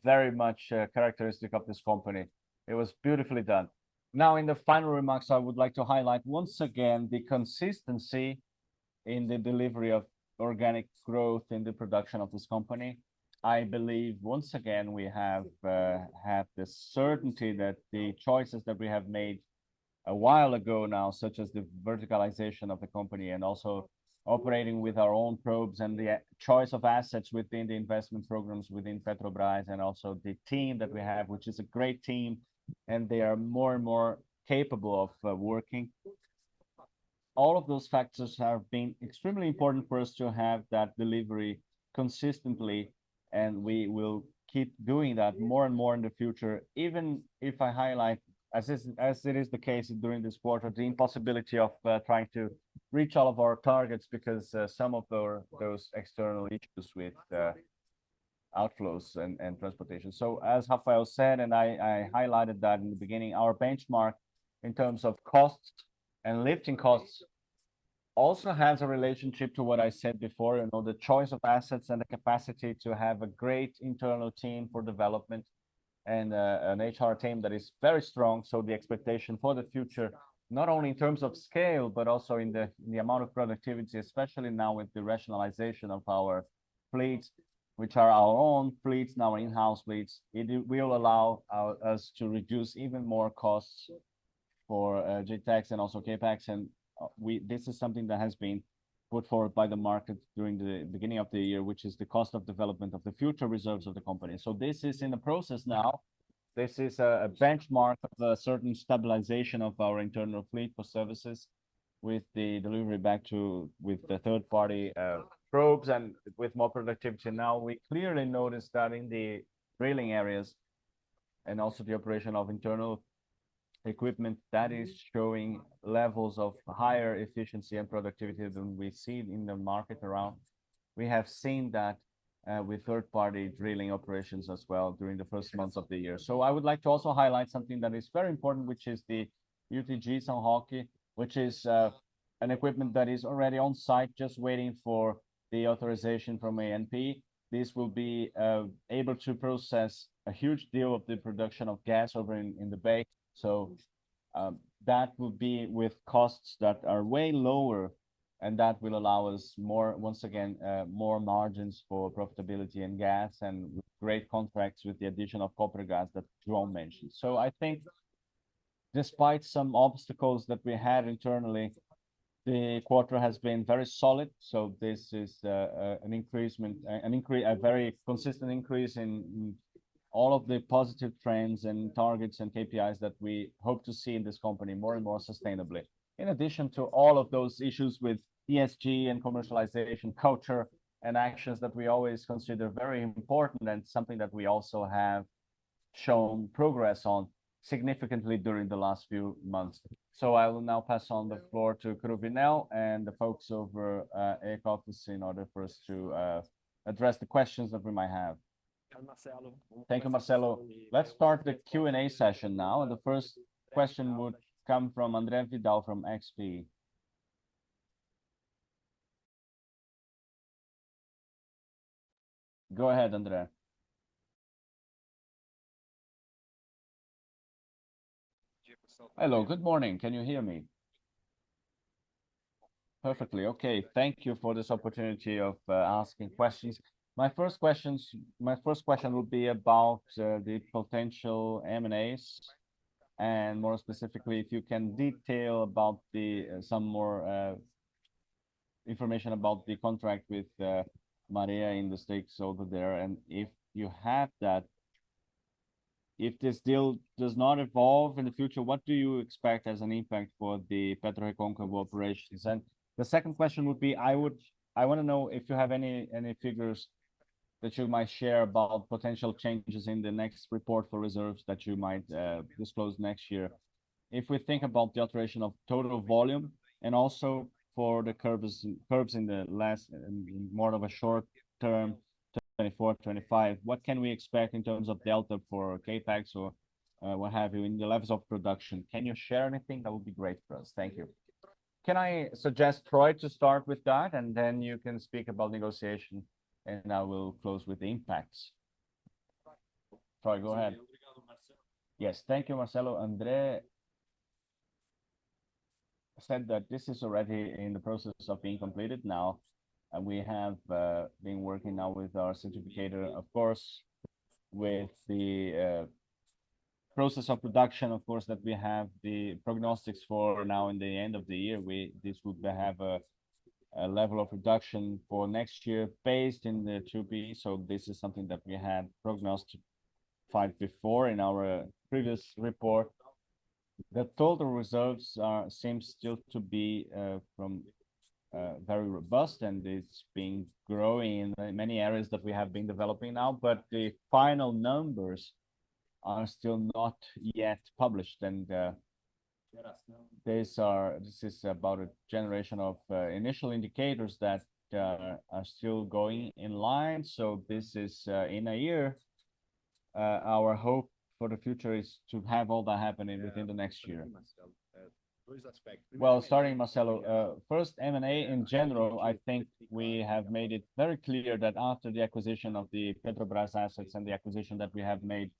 very much characteristic of this company. It was beautifully done. Now, in the final remarks, I would like to highlight once again the consistency in the delivery of organic growth in the production of this company. I believe, once again, we have the certainty that the choices that we have made a while ago now, such as the verticalization of the company, and also operating with our own probes, and the choice of assets within the investment programs within Petrobras, and also the team that we have, which is a great team, and they are more and more capable of working. All of those factors have been extremely important for us to have that delivery consistently, and we will keep doing that more and more in the future. Even if I highlight, as it is the case during this quarter, the impossibility of trying to reach all of our targets because some of our—those external issues with outflows and transportation. So as Rafael said, and I, I highlighted that in the beginning, our benchmark in terms of costs and lifting costs also has a relationship to what I said before, you know, the choice of assets and the capacity to have a great internal team for development and, an HR team that is very strong. So the expectation for the future, not only in terms of scale, but also in the, in the amount of productivity, especially now with the rationalization of our fleets, which are our own fleets, now in-house fleets, it will allow, us to reduce even more costs for OpEx and also CapEx. And this is something that has been put forward by the market during the beginning of the year, which is the cost of development of the future reserves of the company. So this is in the process now. This is a benchmark of the certain stabilization of our internal fleet for services, with the delivery back to, with the third-party, probes and with more productivity. Now, we clearly notice that in the drilling areas, and also the operation of internal equipment, that is showing levels of higher efficiency and productivity than we've seen in the market around. We have seen that with third-party drilling operations as well during the first months of the year. So I would like to also highlight something that is very important, which is the UTG São Roque, which is an equipment that is already on site, just waiting for the authorization from ANP. This will be able to process a huge deal of the production of gas over in, in the Bahia. So, that will be with costs that are way lower, and that will allow us more, once again, more margins for profitability and gas, and great contracts with the addition of Copergás that João mentioned. So I think despite some obstacles that we had internally, the quarter has been very solid. So this is an increase, a very consistent increase in all of the positive trends, and targets, and KPIs that we hope to see in this company more and more sustainably. In addition to all of those issues with ESG and commercialization, culture, and actions that we always consider very important, and something that we also have shown progress on significantly during the last few months. I will now pass on the floor to Kuruvilla and the folks over to IR office, in order for us to address the questions that we might have. Thank you, Marcelo. Let's start the Q&A session now, and the first question would come from André Vidal from XP. Go ahead, André. Hello, good morning. Can you hear me? Perfectly. Okay. Thank you for this opportunity of asking questions. My first question would be about the potential M&As, and more specifically, if you can detail about some more information about the contract with Maha in the stakes over there. And if you have that, if this deal does not evolve in the future, what do you expect as an impact for the PetroReconcavo operations? And the second question would be, I want to know if you have any figures that you might share about potential changes in the next report for reserves that you might disclose next year. If we think about the alteration of total volume, and also for the curves, curves in the last, in more of a short-term, 2024, 2025, what can we expect in terms of delta for CapEx or, what have you, in the levels of production? Can you share anything? That would be great for us. Thank you. Can I suggest Troy to start with that, and then you can speak about negotiation, and I will close with the impacts? Troy, go ahead. Obrigado, Marcelo. Yes, thank you, Marcelo. André said that this is already in the process of being completed now, and we have been working now with our certificator, of course, with the process of production, of course, that we have the prognostics for now in the end of the year. This would have a level of reduction for next year based in the 2B, so this is something that we had prognosed five before in our previous report. The total results are seems still to be from very robust, and it's been growing in many areas that we have been developing now, but the final numbers are still not yet published. This is about a generation of initial indicators that are still going in line, so this is in a year our hope for the future is to have all that happening within the next year. What is that spec? Well, starting Marcelo, first M&A in general, I think we have made it very clear that after the acquisition of the Petrobras assets and the acquisition that we have made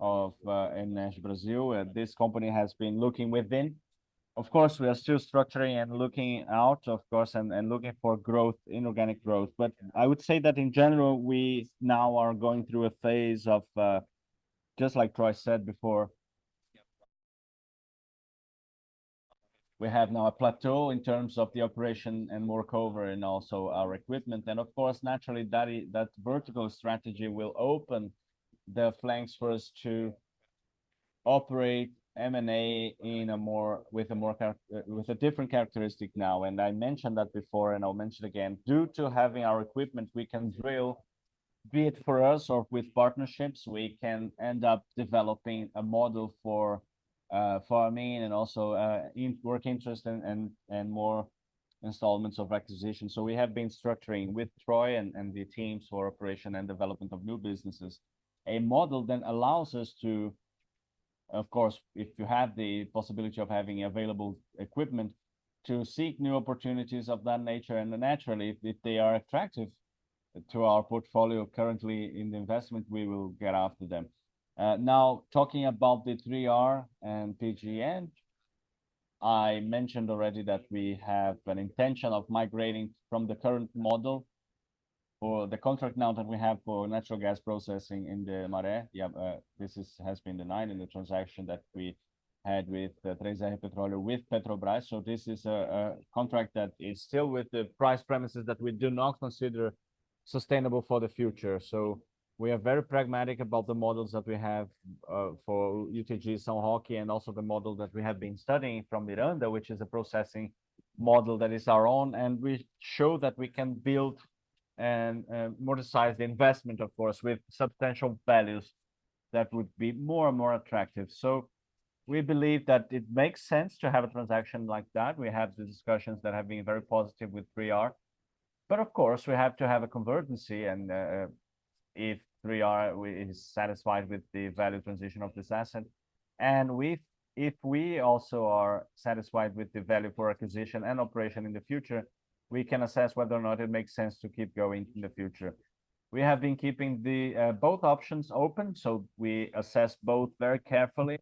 of Maha Energy Brasil, and this company has been looking within. Of course, we are still structuring and looking out, of course, and looking for growth, inorganic growth. But I would say that in general, we now are going through a phase of, just like Troy said before, we have now a plateau in terms of the operation and workover and also our equipment. And of course, naturally, that vertical strategy will open the flanks for us to operate M&A in a more, with a more charac... With a different characteristic now, and I mentioned that before, and I'll mention again. Due to having our equipment, we can drill, be it for us or with partnerships, we can end up developing a model for farm-in and also in Working Interest and more installments of acquisition. So we have been structuring with Troy and the teams for operation and development of new businesses. A model then allows us to, of course, if you have the possibility of having available equipment, to seek new opportunities of that nature, and then naturally, if they are attractive to our portfolio currently in the investment, we will get after them. Now, talking about the 3R and UPGN, I mentioned already that we have an intention of migrating from the current model. For the contract now that we have for natural gas processing in the Miranga, yeah, this is, has been denied in the transaction that we had with the 3R Petroleum, with Petrobras. So this is a contract that is still with the price premises that we do not consider sustainable for the future. So we are very pragmatic about the models that we have for UTG São Roque, and also the model that we have been studying from Miranga, which is a processing model that is our own. And we show that we can build and monetize the investment, of course, with substantial values that would be more and more attractive. So we believe that it makes sense to have a transaction like that. We have the discussions that have been very positive with 3R. But of course, we have to have a convergence, and if 3R is satisfied with the value transition of this asset, and if we also are satisfied with the value for acquisition and operation in the future, we can assess whether or not it makes sense to keep going in the future. We have been keeping the both options open, so we assess both very carefully,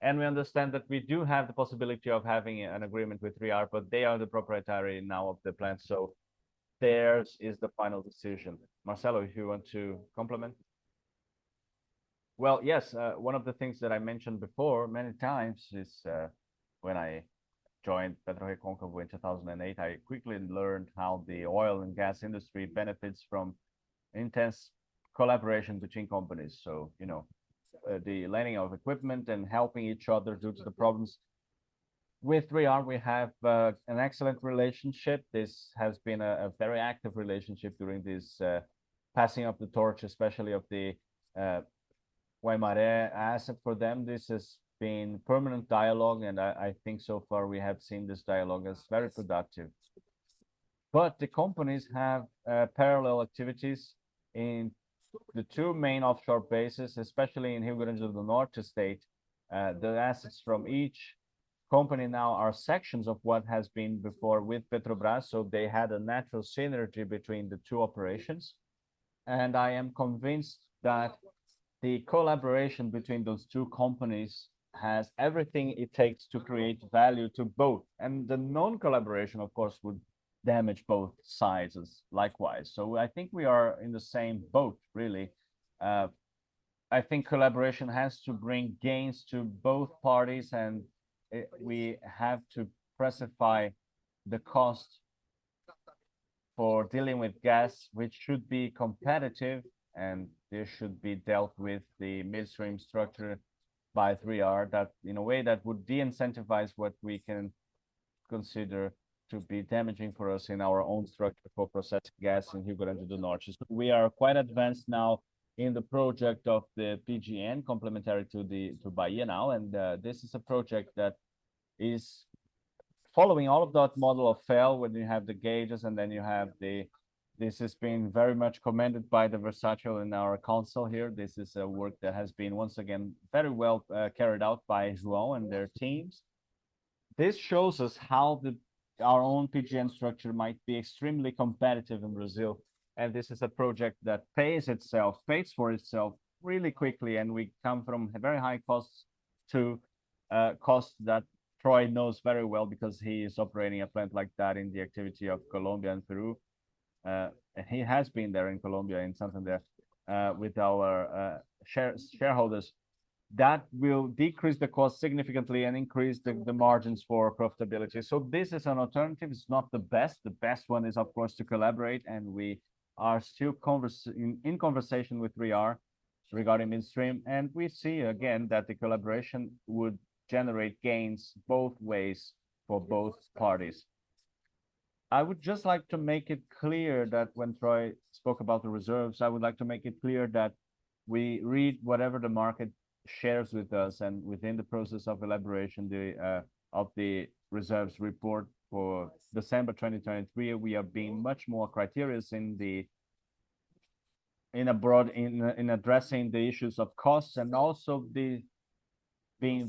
and we understand that we do have the possibility of having an agreement with 3R, but they are the proprietors now of the plant, so theirs is the final decision. Marcelo, you want to comment? Well, yes, one of the things that I mentioned before many times is when I joined PetroReconcavo in 2008, I quickly learned how the oil and gas industry benefits from intense collaboration between companies. So, you know, the lending of equipment and helping each other due to the problems. With 3R, we have an excellent relationship. This has been a very active relationship during this passing of the torch, especially of the Guamaré asset. For them, this has been permanent dialogue, and I think so far we have seen this dialogue as very productive. But the companies have parallel activities in the two main offshore bases, especially Rio Grande do Norte state. The assets from each company now are sections of what has been before with Petrobras, so they had a natural synergy between the two operations. And I am convinced that the collaboration between those two companies has everything it takes to create value to both. And the non-collaboration, of course, would damage both sides as likewise. I think we are in the same boat, really. I think collaboration has to bring gains to both parties, and we have to precify the cost for dealing with gas, which should be competitive, and this should be dealt with the midstream structure by 3R, in a way that would de-incentivize what we can consider to be damaging for us in our own structure for processing gas in Rio Grande do Norte. We are quite advanced now in the project of the UPGN, complementary to Bahia, and this is a project that is following all of that model of FEL, when you have the gauges, and then you have the— This has been very much commended by the Vilaça in our council here. This is a work that has been, once again, very well carried out by João and their teams. This shows us how the our own UPGN structure might be extremely competitive in Brazil, and this is a project that pays itself, pays for itself really quickly, and we come from a very high cost to costs that Troy knows very well because he is operating a plant like that in the activity of Colombia and Peru. And he has been there in Colombia and something there with our shareholders. That will decrease the cost significantly and increase the margins for profitability. So this is an alternative. It's not the best. The best one is, of course, to collaborate, and we are still in conversation with 3R regarding midstream. And we see again that the collaboration would generate gains both ways for both parties. I would just like to make it clear that when Troy spoke about the reserves, I would like to make it clear that we read whatever the market shares with us, and within the process of elaboration of the reserves report for December 2023, we have been much more meticulous in a broader addressing the issues of costs, and also being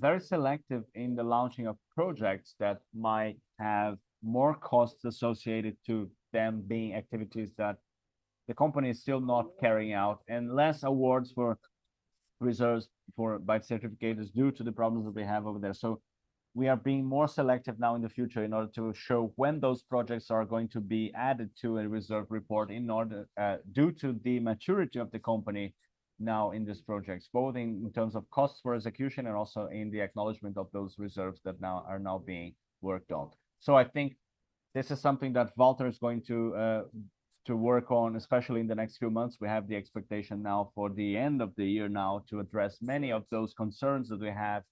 very selective in the launching of projects that might have more costs associated to them being activities that the company is still not carrying out, and less awards for reserves by certificators due to the problems that we have over there. So we are being more selective now in the future in order to show when those projects are going to be added to a reserve report in order, due to the maturity of the company now in these projects, both in, in terms of costs for execution and also in the acknowledgement of those reserves that now, are now being worked on. So I think this is something that Walter is going to to work on, especially in the next few months. We have the expectation now for the end of the year now to address many of those concerns that we have,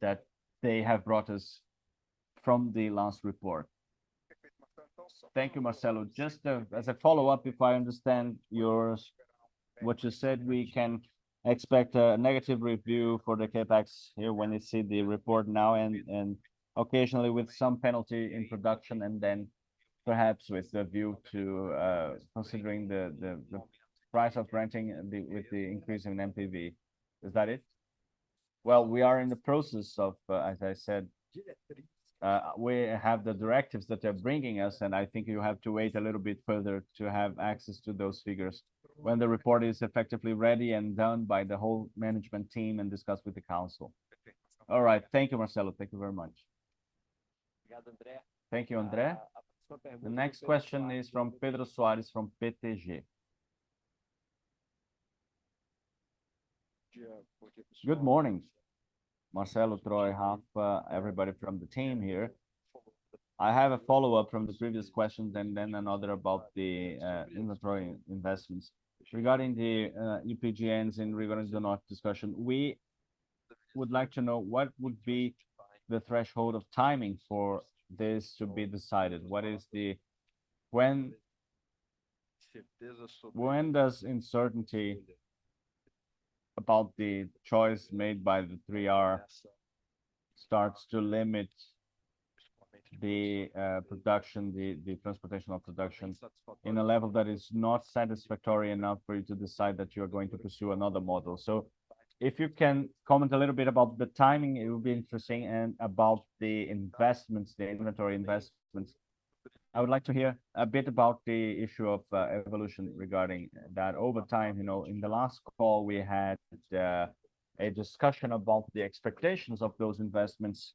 that they have brought us from the last report. Thank you, Marcelo. Just, as a follow-up, if I understand yours, what you said, we can expect a negative review for the CapEx here when we see the report now and occasionally with some penalty in production, and then perhaps with a view to, considering the price of renting and the increase in NPV. Is that it? Well, we are in the process of, as I said, we have the directives that they're bringing us, and I think you have to wait a little bit further to have access to those figures. When the report is effectively ready and done by the whole management team and discussed with the council. All right. Thank you, Marcelo. Thank you very much. Thank you, André. The next question is from Pedro Soares, from BTG. Good morning, Marcelo, Troy, Rafael, everybody from the team here. I have a follow-up from the previous question, then another about the inventory investments. Regarding the UPGNs in Rio Grande do Norte discussion, we would like to know what would be the threshold of timing for this to be decided. What is the... When does uncertainty about the choice made by the 3R start to limit the production, the transportation of production in a level that is not satisfactory enough for you to decide that you are going to pursue another model? So if you can comment a little bit about the timing, it would be interesting, and about the investments, the inventory investments. I would like to hear a bit about the issue of evolution regarding that. Over time, you know, in the last call, we had a discussion about the expectations of those investments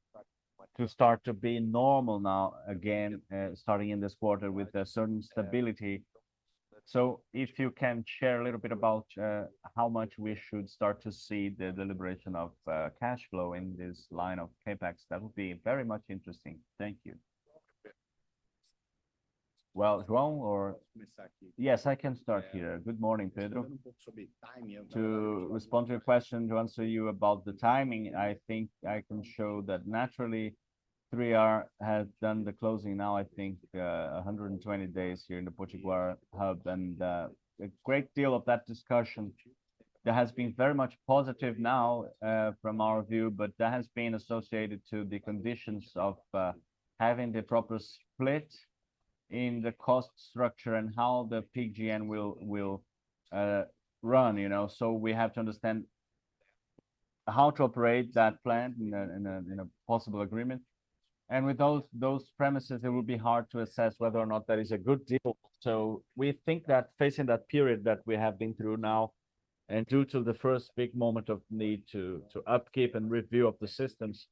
to start to be normal now again, starting in this quarter with a certain stability. So if you can share a little bit about how much we should start to see the deliberation of cash flow in this line of CapEx, that would be very much interesting. Thank you. Well, João. Yes, I can start here. Good morning, Pedro. To respond to your question, to answer you about the timing, I think I can show that naturally, 3R has done the closing now, I think, 120 days here in the Potiguar hub, and, a great deal of that discussion that has been very much positive now, from our view, but that has been associated to the conditions of, having the proper split in the cost structure and how the UPGN will run, you know. So we have to understand how to operate that plant in a possible agreement. And with those premises, it will be hard to assess whether or not that is a good deal. So we think that facing that period that we have been through now, and due to the first big moment of need to upkeep and review of the systems,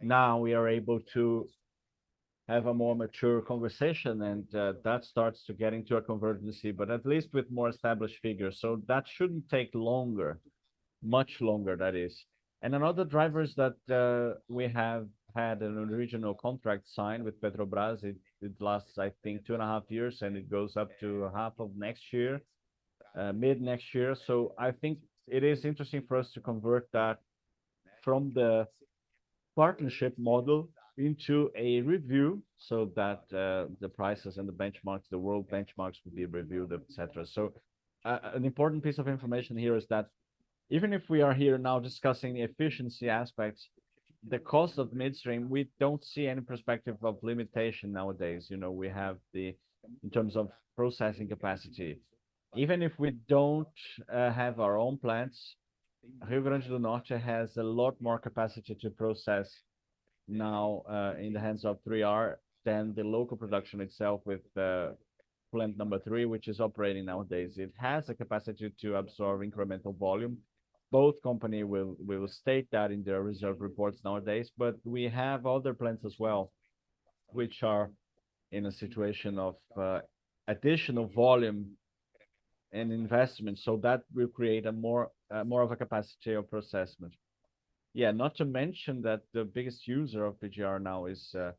now we are able to have a more mature conversation, and that starts to get into a convergence, but at least with more established figures. So that shouldn't take longer, much longer, that is. And another drivers that we have had an original contract signed with Petrobras, it lasts, I think, 2.5 years, and it goes up to half of next year, mid-next year. So I think it is interesting for us to convert that from the partnership model into a review, so that the prices and the benchmarks, the world benchmarks, will be reviewed, et cetera. So an important piece of information here is that even if we are here now discussing the efficiency aspects, the cost of midstream, we don't see any perspective of limitation nowadays. You know, we have the, in terms of processing capacity. Even if we don't have our own plants, Rio Grande do Norte has a lot more capacity to process now in the hands of 3R than the local production itself with plant number three, which is operating nowadays. It has a capacity to absorb incremental volume. Both company will state that in their reserve reports nowadays, but we have other plants as well, which are in a situation of additional volume and investment, so that will create a more, more of a capacity of assessment. Yeah, not to mention that the biggest user of UPGN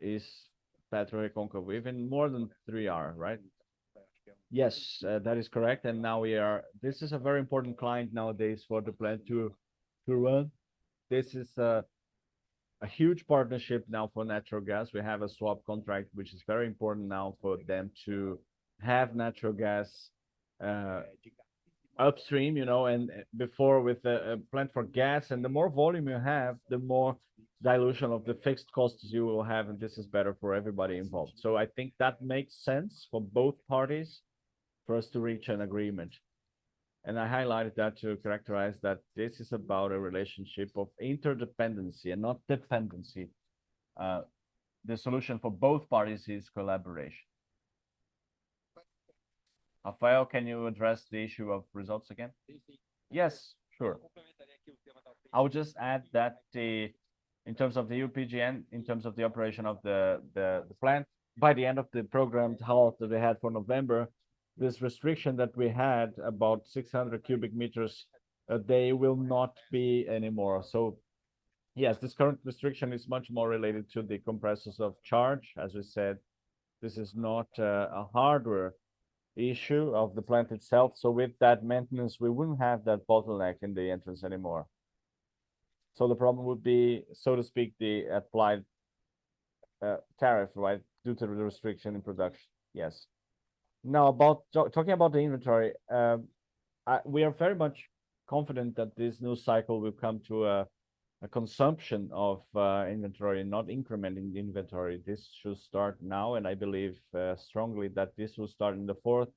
is PetroReconcavo, even more than 3R, right? Yes, that is correct, and now we are. This is a very important client nowadays for the plant to run. This is a huge partnership now for natural gas. We have a swap contract, which is very important now for them to have natural gas upstream, you know, and before with a plant for gas. And the more volume you have, the more dilution of the fixed costs you will have, and this is better for everybody involved. So I think that makes sense for both parties for us to reach an agreement, and I highlighted that to characterize that this is about a relationship of interdependency and not dependency. The solution for both parties is collaboration. Rafael, can you address the issue of results again? Yes, sure. I would just add that in terms of the UTG and in terms of the operation of the plant, by the end of the programmed halt that we had for November, this restriction that we had, about 600 cubic meters a day, will not be anymore. So yes, this current restriction is much more related to the compressors of charge. As I said, this is not a hardware issue of the plant itself, so with that maintenance, we wouldn't have that bottleneck in the entrance anymore. The problem would be, so to speak, the applied tariff, right, due to the restriction in production? Yes. Now, about talking about the inventory, we are very much confident that this new cycle will come to a consumption of inventory and not incrementing the inventory. This should start now, and I believe strongly that this will start in the fourth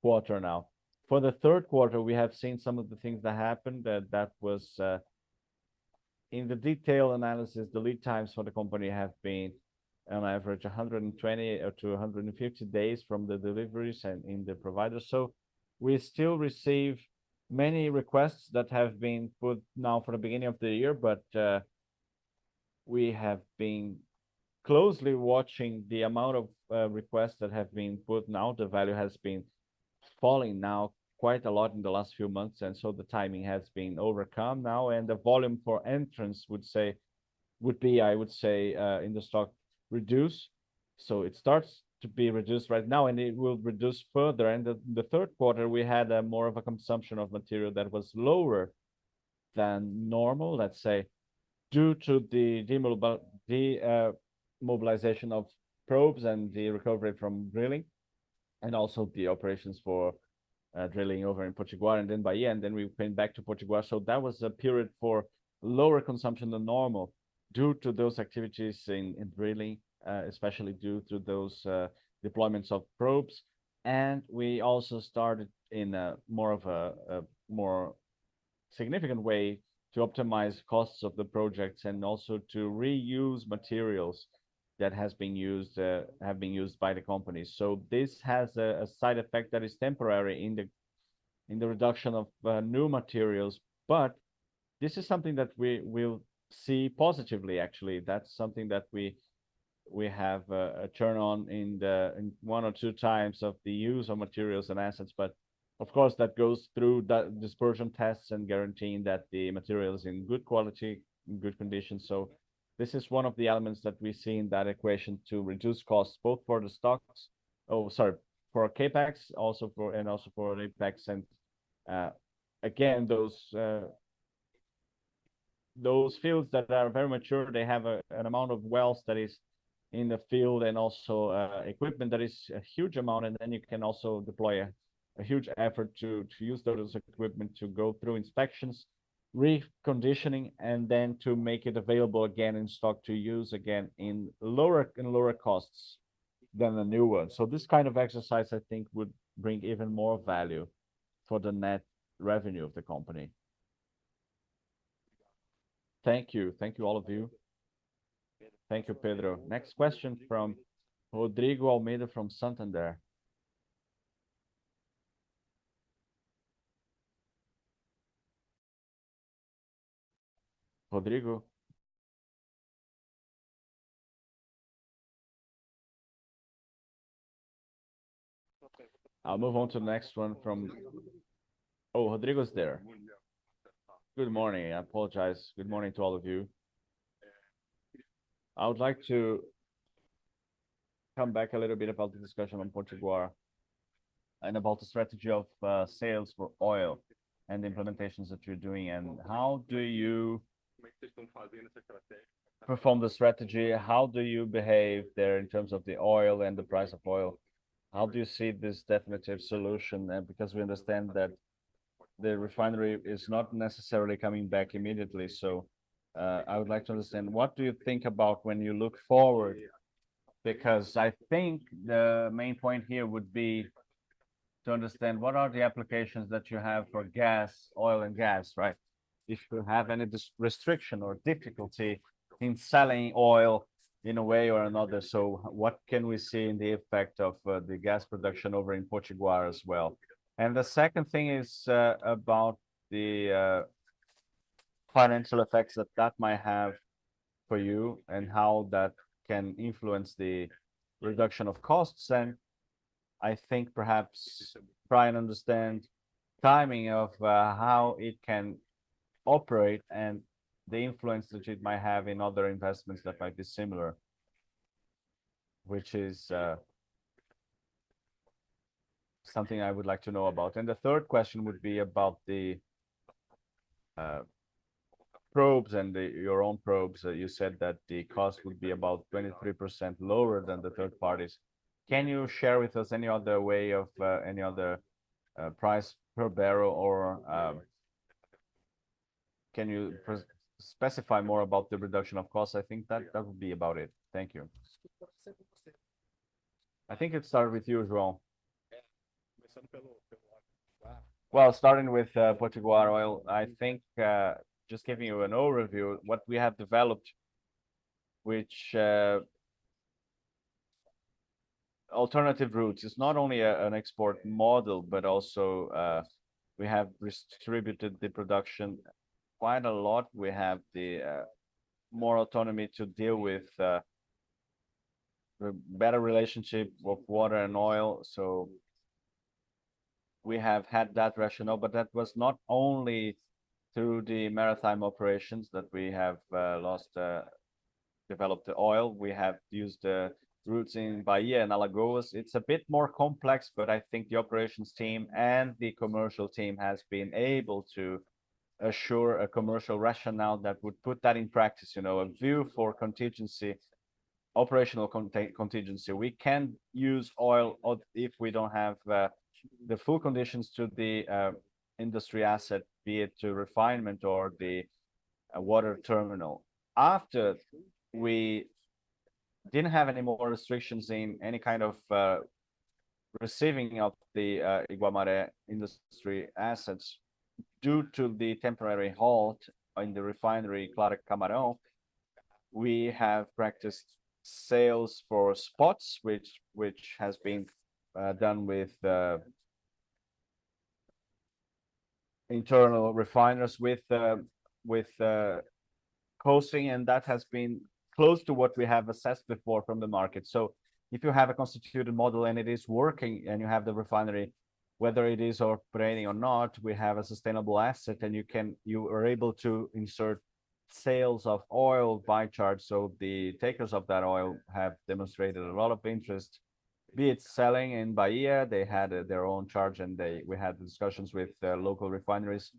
quarter now. For the third quarter, we have seen some of the things that happened, that was in the detailed analysis, the lead times for the company have been on average 120-150 days from the deliveries and in the provider. So we still receive many requests that have been put now from the beginning of the year, but we have been closely watching the amount of requests that have been put. Now, the value has been falling now quite a lot in the last few months, and so the timing has been overcome now, and the volume for entrance would be, I would say, in the stock, reduced. So it starts to be reduced right now, and it will reduce further. In the third quarter, we had more of a consumption of material that was lower than normal, let's say, due to the mobilization of probes and the recovery from drilling, and also the operations for drilling over in Potiguar and then Bahia, and then we went back to Potiguar. So that was a period for lower consumption than normal due to those activities in drilling, especially due to those deployments of probes. We also started in a more significant way to optimize costs of the projects and also to reuse materials that have been used by the company. So this has a side effect that is temporary in the reduction of new materials, but this is something that we will see positively, actually. That's something that we have a turn on in one or two times of the use of materials and assets. But of course, that goes through the dispersion tests and guaranteeing that the material is in good quality, in good condition. So this is one of the elements that we see in that equation to reduce costs, both for CapEx, also for, and also for OpEx. Again, those fields that are very mature, they have an amount of wells that is in the field and also equipment that is a huge amount, and then you can also deploy a huge effort to use those equipment to go through inspections, reconditioning, and then to make it available again in stock to use again in lower costs than the new one. So this kind of exercise, I think, would bring even more value for the net revenue of the company. Thank you. Thank you, all of you. Thank you, Pedro. Next question from Rodrigo Almeida, from Santander. Rodrigo? I'll move on to the next one from—Oh, Rodrigo's there. Good morning, I apologize. Good morning to all of you. I would like to come back a little bit about the discussion on Potiguar and about the strategy of sales for oil and the implementations that you're doing, and how do you perform the strategy, how do you behave there in terms of the oil and the price of oil? How do you see this definitive solution? Because we understand that the refinery is not necessarily coming back immediately, so, I would like to understand what do you think about when you look forward? Because I think the main point here would be to understand what are the applications that you have for gas, oil and gas, right? If you have any restriction or difficulty in selling oil in a way or another, so what can we see in the effect of, the gas production over in Potiguar as well? And the second thing is, about the, financial effects that that might have for you, and how that can influence the reduction of costs. And I think perhaps try and understand timing of how it can operate, and the influence that it might have in other investments that might be similar, which is something I would like to know about. And the third question would be about the probes and your own probes. You said that the cost would be about 23% lower than the third parties. Can you share with us any other way of any other price per barrel or can you specify more about the reduction of costs? I think that would be about it. Thank you. I think it started with you as well. Well, starting with Potiguar oil, I think just giving you an overview, what we have developed, which alternative routes is not only a an export model, but also we have distributed the production quite a lot. We have the more autonomy to deal with the better relationship with water and oil, so we have had that rationale. But that was not only through the maritime operations that we have last developed the oil. We have used routes in Bahia and Alagoas. It's a bit more complex, but I think the operations team and the commercial team has been able to assure a commercial rationale that would put that in practice, you know, a view for contingency, operational contingency. We can use oil, or if we don't have the full conditions to the industry asset, be it to refinement or the water terminal. After we didn't have any more restrictions in any kind of receiving of the Guamaré industry assets, due to the temporary halt in the refinery, Clara Camarão, we have practiced sales for spots, which has been done with internal refiners with costing, and that has been close to what we have assessed before from the market. So if you have a constituted model and it is working, and you have the refinery, whether it is operating or not, we have a sustainable asset, and you can, you are able to insert sales of oil by chart. So the takers of that oil have demonstrated a lot of interest. Be it selling in Bahia, they had their own charge, and they, we had discussions with local refineries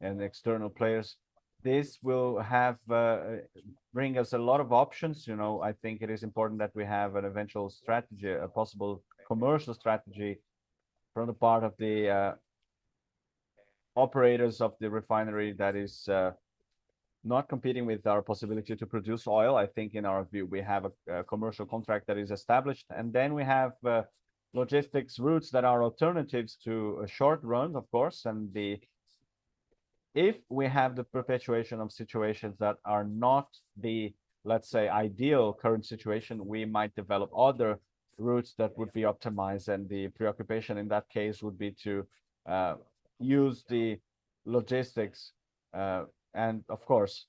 and external players. This will bring us a lot of options. You know, I think it is important that we have an eventual strategy, a possible commercial strategy from the part of the operators of the refinery that is not competing with our possibility to produce oil. I think in our view, we have a commercial contract that is established, and then we have logistics routes that are alternatives to a short run, of course, and the. If we have the perpetuation of situations that are not the, let's say, ideal current situation, we might develop other routes that would be optimized, and the preoccupation in that case would be to use the logistics. And of course,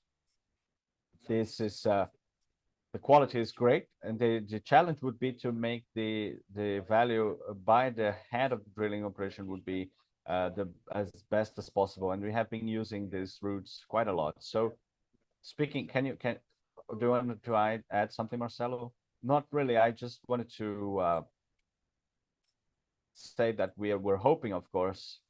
this is the quality is great, and the challenge would be to make the value by the head of drilling operation as best as possible, and we have been using these routes quite a lot. So speaking, can you, Do you want to, do I add something, Marcelo? Not really. I just wanted to state that we are, we're hoping, of course,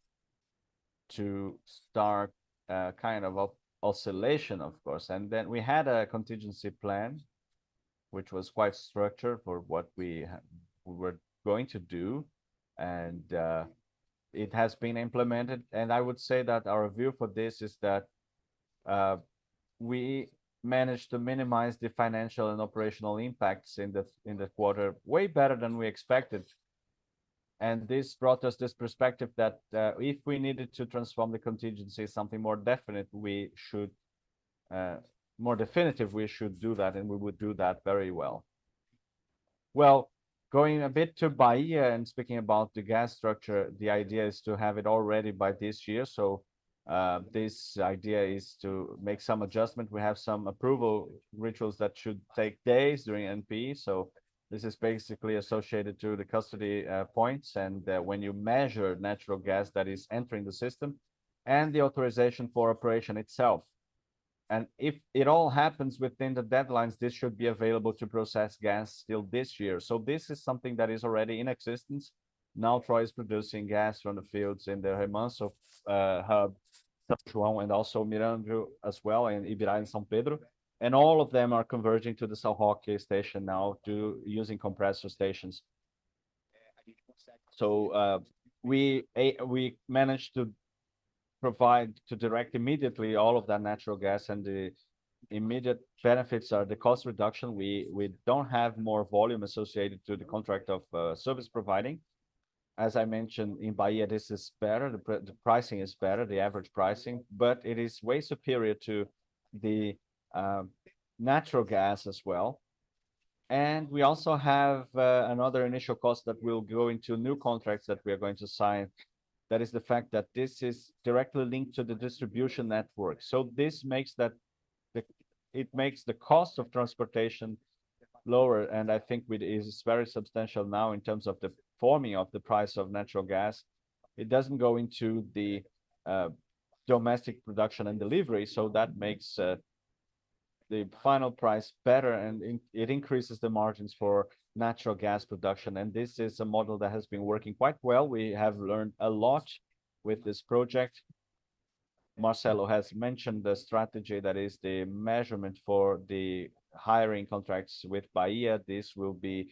to start a kind of a oscillation, of course. And then we had a contingency plan, which was quite structured for what we were going to do, and it has been implemented. And I would say that our view for this is that we managed to minimize the financial and operational impacts in the quarter, way better than we expected. And this brought us this perspective that, if we needed to transform the contingency, something more definite, more definitive, we should do that, and we would do that very well. Well, going a bit to Bahia and speaking about the gas structure, the idea is to have it all ready by this year. This idea is to make some adjustment. We have some approval rituals that should take days during ANP. So this is basically associated to the custody points, and when you measure natural gas that is entering the system, and the authorization for operation itself, and if it all happens within the deadlines, this should be available to process gas still this year. So this is something that is already in existence. Now Troy is producing gas from the fields in the Remanso hub, São João, and also Miranga as well, and Biriba, and São Pedro, and all of them are converging to the São Roque station now by using compressor stations. So, we managed to provide, to direct immediately all of that natural gas, and the immediate benefits are the cost reduction. We don't have more volume associated to the contract of service providing. As I mentioned, in Bahia, this is better, the pricing is better, the average pricing, but it is way superior to the natural gas as well. And we also have another initial cost that will go into new contracts that we are going to sign, that is the fact that this is directly linked to the distribution network. So this makes that it makes the cost of transportation lower, and I think it is very substantial now in terms of the forming of the price of natural gas. It doesn't go into the domestic production and delivery, so that makes the final price better, and it increases the margins for natural gas production. And this is a model that has been working quite well. We have learned a lot with this project. Marcelo has mentioned the strategy, that is, the measurement for the hiring contracts with Bahia. This will be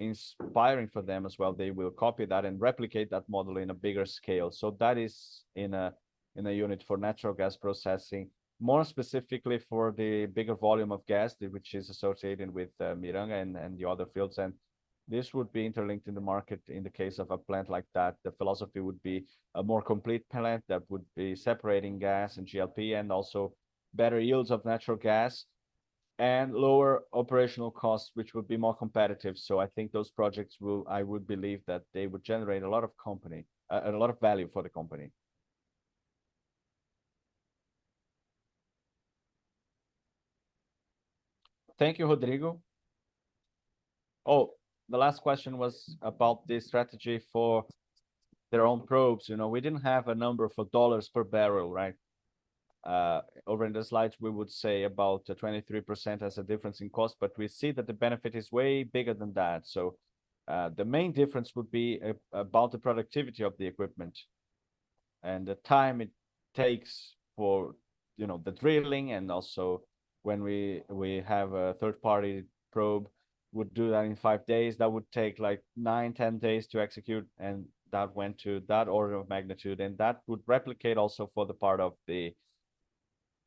inspiring for them as well. They will copy that and replicate that model in a bigger scale. So that is in a unit for natural gas processing. More specifically for the bigger volume of gas, which is associated with Miranga and the other fields, and this would be interlinked in the market. In the case of a plant like that, the philosophy would be a more complete plant that would be separating gas and GLP, and also better yields of natural gas, and lower operational costs, which would be more competitive. So I think those projects will... I would believe that they would generate a lot of company, a lot of value for the company. Thank you, Rodrigo. Oh, the last question was about the strategy for their own probes. You know, we didn't have a number for $ per barrel, right? Over in the slides, we would say about 23% as a difference in cost, but we see that the benefit is way bigger than that. The main difference would be about the productivity of the equipment and the time it takes for, you know, the drilling. Also when we have a third-party probe would do that in five days, that would take, like, nine to 10 days to execute, and that went to that order of magnitude. And that would replicate also for the part of the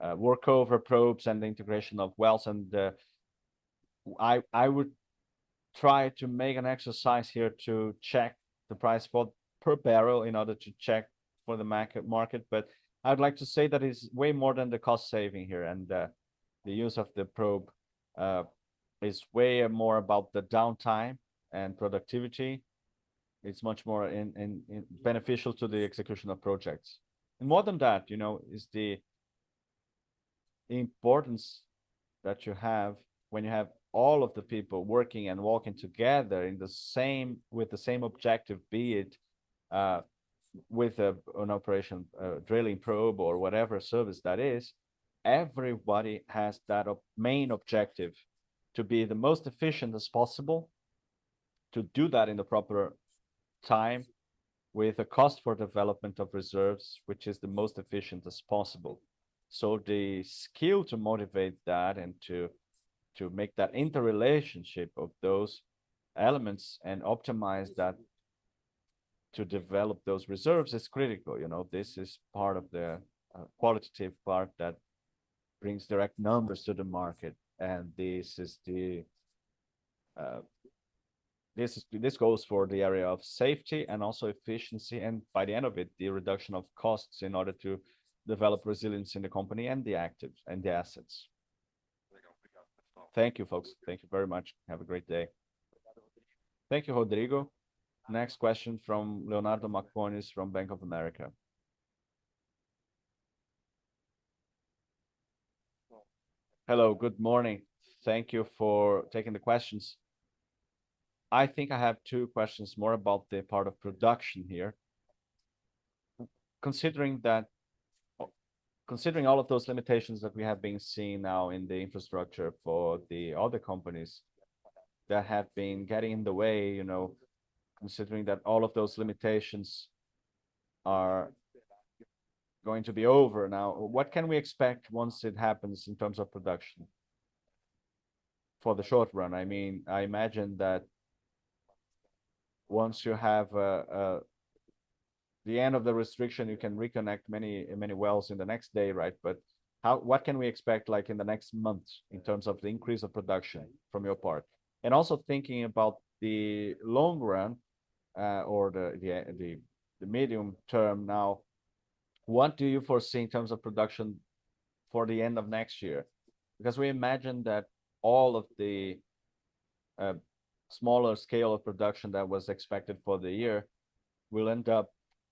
workover probes and the integration of wells. And I would try to make an exercise here to check the price for per barrel in order to check for the market. But I'd like to say that it's way more than the cost saving here, and the use of the probe is way more about the downtime and productivity. It's much more beneficial to the execution of projects. More than that, you know, is the importance that you have when you have all of the people working and walking together in the same with the same objective, be it with a an operation drilling probe or whatever service that is, everybody has that main objective: to be the most efficient as possible, to do that in the proper time, with a cost for development of reserves, which is the most efficient as possible. So the skill to motivate that and to make that interrelationship of those elements and optimize that to develop those reserves is critical. You know, this is part of the qualitative part that brings direct numbers to the market, and this goes for the area of safety and also efficiency, and by the end of it, the reduction of costs in order to develop resilience in the company, and the actives, and the assets. Thank you, folks. Thank you very much. Have a great day. Thank you, Rodrigo. Next question from Leonardo Marcondes from Bank of America. Hello, good morning. Thank you for taking the questions. I think I have two questions more about the part of production here. Considering all of those limitations that we have been seeing now in the infrastructure for the other companies that have been getting in the way, you know, considering that all of those limitations are going to be over now, what can we expect once it happens in terms of production for the short run? I mean, I imagine that once you have, the end of the restriction, you can reconnect many, many wells in the next day, right? But what can we expect, like, in the next months in terms of the increase of production from your part? And also thinking about the long run, or the medium term now, what do you foresee in terms of production for the end of next year? Because we imagine that all of the smaller scale of production that was expected for the year will end up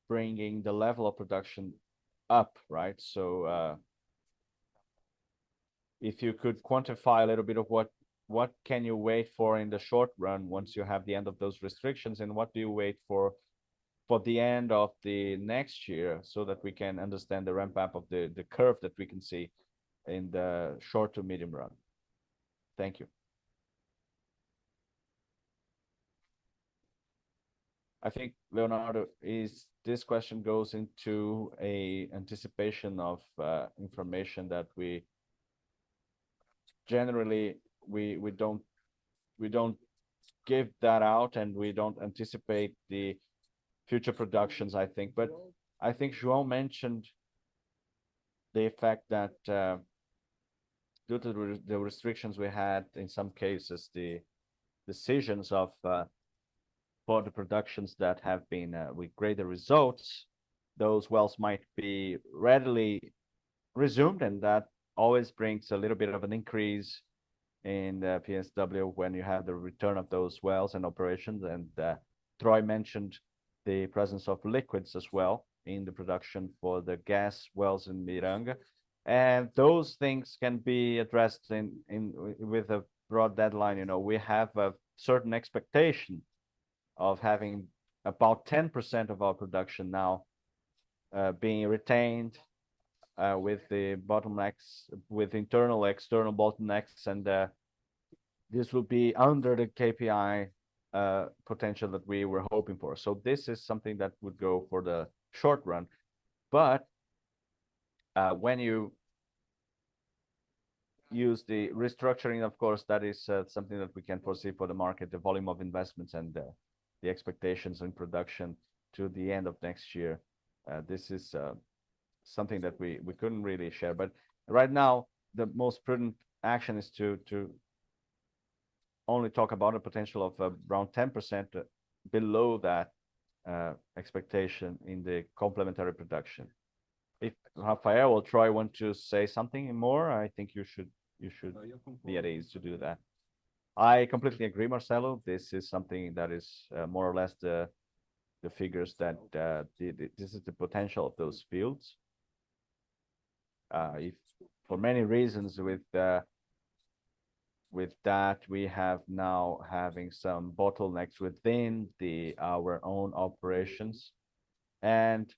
bringing the level of production up, right? If you could quantify a little bit of what can you wait for in the short run once you have the end of those restrictions, and what do you wait for for the end of the next year, so that we can understand the ramp-up of the curve that we can see in the short to medium run? Thank you. I think, Leonardo, this question goes into an anticipation of information that we generally don't give that out, and we don't anticipate the future productions, I think. I think João mentioned the fact that, due to the restrictions we had, in some cases, the decisions for the productions that have been with greater results, those wells might be readily resumed, and that always brings a little bit of an increase in PSW when you have the return of those wells and operations. Troy mentioned the presence of liquids as well in the production for the gas wells in Miranga. Those things can be addressed in with a broad deadline. You know, we have a certain expectation of having about 10% of our production now being retained with the bottlenecks, with internal external bottlenecks, and this will be under the KPI potential that we were hoping for. So this is something that would go for the short run. When you use the restructuring, of course, that is something that we can foresee for the market, the volume of investments and the expectations in production to the end of next year. This is something that we couldn't really share, but right now, the most prudent action is to only talk about a potential of around 10% below that expectation in the complementary production. If Rafael or Troy want to say something more, I think you should be at ease to do that. I completely agree, Marcelo. This is something that is more or less the figures that this is the potential of those fields. If for many reasons with that, we have now having some bottlenecks within our own operations, and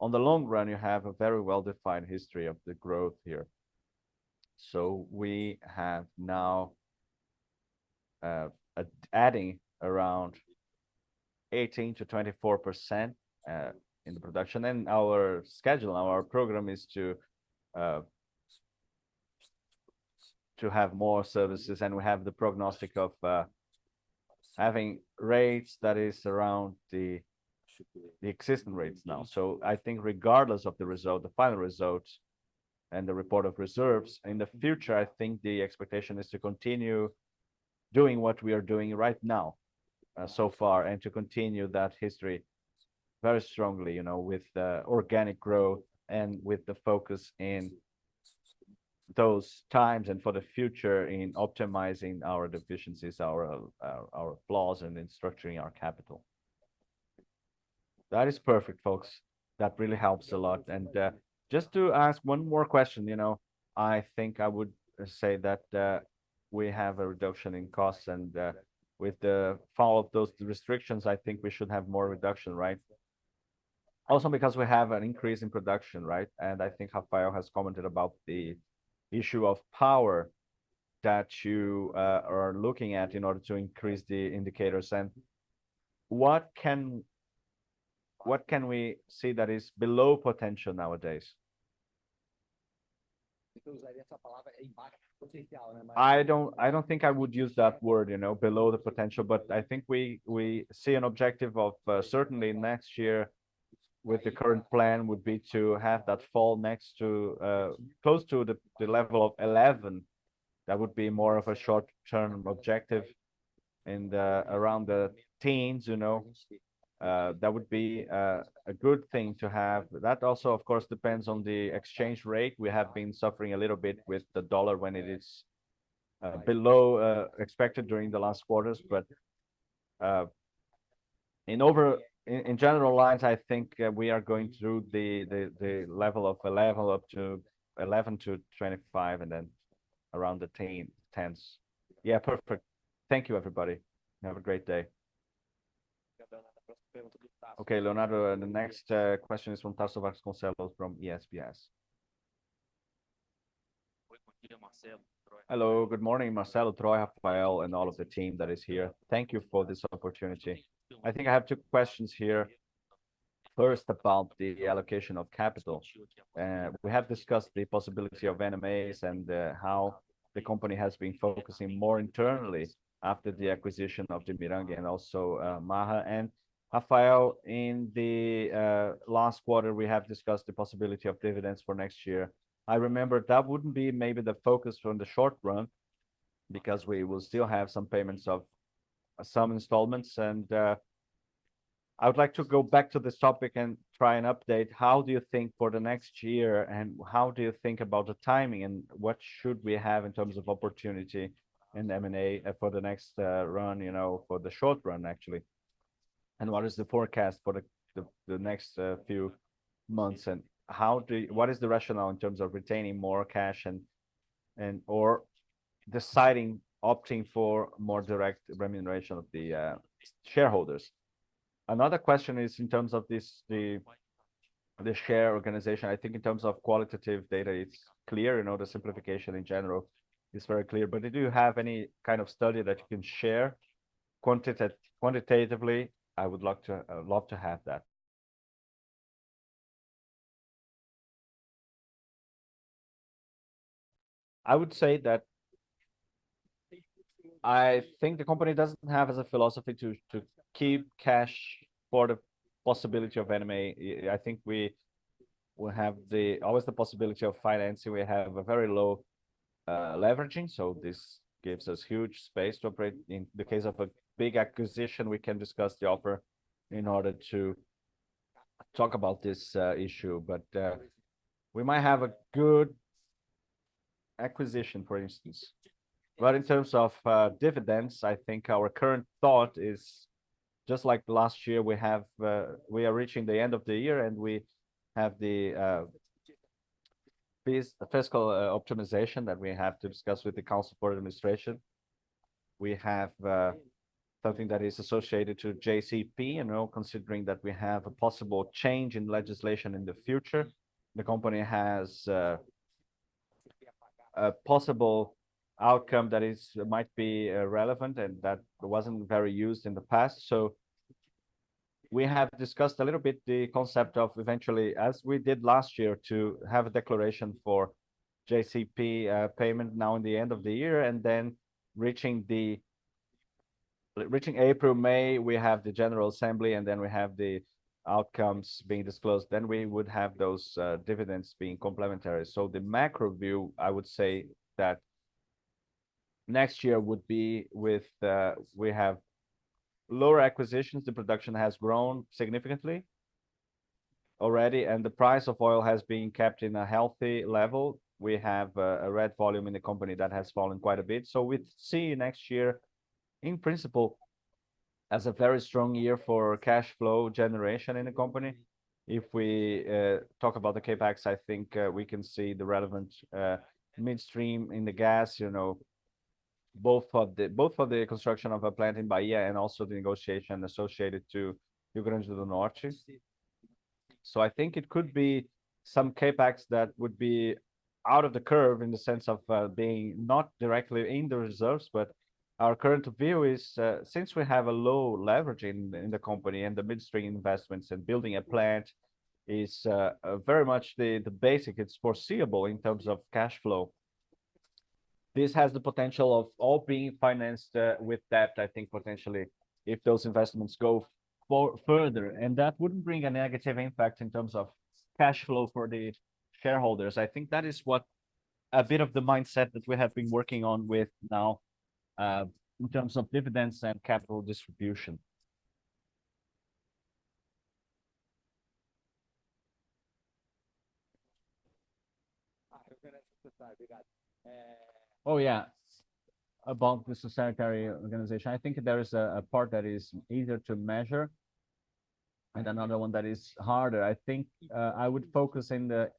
on the long run, you have a very well-defined history of the growth here. So we have now adding around 18%-24% in the production. And our schedule, our program is to have more services, and we have the prognostic of having rates that is around the existing rates now. So I think regardless of the result, the final results and the report of reserves, in the future, I think the expectation is to continue doing what we are doing right now, so far, and to continue that history very strongly, you know, with organic growth and with the focus in those times and for the future in optimizing our deficiencies, our our flaws, and then structuring our capital. That is perfect, folks. That really helps a lot. And just to ask one more question, you know, I think I would say that we have a reduction in costs, and with the follow-up those restrictions, I think we should have more reduction, right? Also, because we have an increase in production, right? I think Rafael has commented about the issue of power that you are looking at in order to increase the indicators. What can we say that is below potential nowadays? I don't, I don't think I would use that word, you know, below the potential, but I think we, we see an objective of certainly next year, with the current plan, would be to have that fall next to close to the level of 11. That would be more of a short-term objective. And around the teens, you know, that would be a good thing to have. That also, of course, depends on the exchange rate. We have been suffering a little bit with the dollar when it is below expected during the last quarters. But in overview, in general lines, I think we are going through the level of a level up to 11 to 25, and then around the 10, 10s. Yeah, perfect. Thank you, everybody. Have a great day. Okay, Leonardo, the next question is from Tasso Vasconcelos from UBS. Hello, good morning, Marcelo, Troy, Rafael, and all of the team that is here. Thank you for this opportunity. I think I have two questions here. First, about the allocation of capital. We have discussed the possibility of M&As and how the company has been focusing more internally after the acquisition of Miranga and also Maha. And, Rafael, in the last quarter, we have discussed the possibility of dividends for next year. I remember that wouldn't be maybe the focus for the short run, because we will still have some payments of some installments. I would like to go back to this topic and try and update, how do you think for the next year, and how do you think about the timing, and what should we have in terms of opportunity in M&A, for the next, run, you know, for the short run, actually? And what is the forecast for the next few months, and how do—what is the rationale in terms of retaining more cash and, or deciding, opting for more direct remuneration of the shareholders? Another question is in terms of this, the share organization. I think in terms of qualitative data, it's clear, you know, the simplification in general is very clear. But do you have any kind of study that you can share quantitatively? I would like to love to have that. I would say that I think the company doesn't have as a philosophy to keep cash for the possibility of M&A. I think we have always the possibility of financing. We have a very low leveraging, so this gives us huge space to operate. In the case of a big acquisition, we can discuss the offer in order to talk about this issue, but we might have a good acquisition, for instance. But in terms of dividends, I think our current thought is just like last year, we are reaching the end of the year, and we have the fiscal optimization that we have to discuss with the Council for Administration. We have something that is associated to JCP, and now considering that we have a possible change in legislation in the future, the company has a possible outcome that is, might be, relevant and that wasn't very used in the past. So we have discussed a little bit the concept of eventually, as we did last year, to have a declaration for JCP payment now in the end of the year, and reaching April, May, we have the general assembly, and then we have the outcomes being disclosed. Then we would have those dividends being complementary. So the macro view, I would say, that next year would be with we have lower acquisitions. The production has grown significantly already, and the price of oil has been kept in a healthy level. We have a rig volume in the company that has fallen quite a bit. So we see next year, in principle, as a very strong year for cash flow generation in the company. If we talk about the CapEx, I think we can see the relevant midstream in the gas, you know, both for the construction of a plant in Bahia and also the negotiation associated to Rio Grande do Norte. So I think it could be some CapEx that would be out of the curve in the sense of being not directly in the reserves. But our current view is, since we have a low leverage in the company and the midstream investments, and building a plant is very much the basic, it's foreseeable in terms of cash flow. This has the potential of all being financed, with debt, I think, potentially, if those investments go for further, and that wouldn't bring a negative impact in terms of cash flow for the shareholders. I think that is what a bit of the mindset that we have been working on with now, in terms of dividends and capital distribution. Oh, yeah. About the subsidiary organization, I think there is a part that is easier to measure and another one that is harder. I think, I would focus in the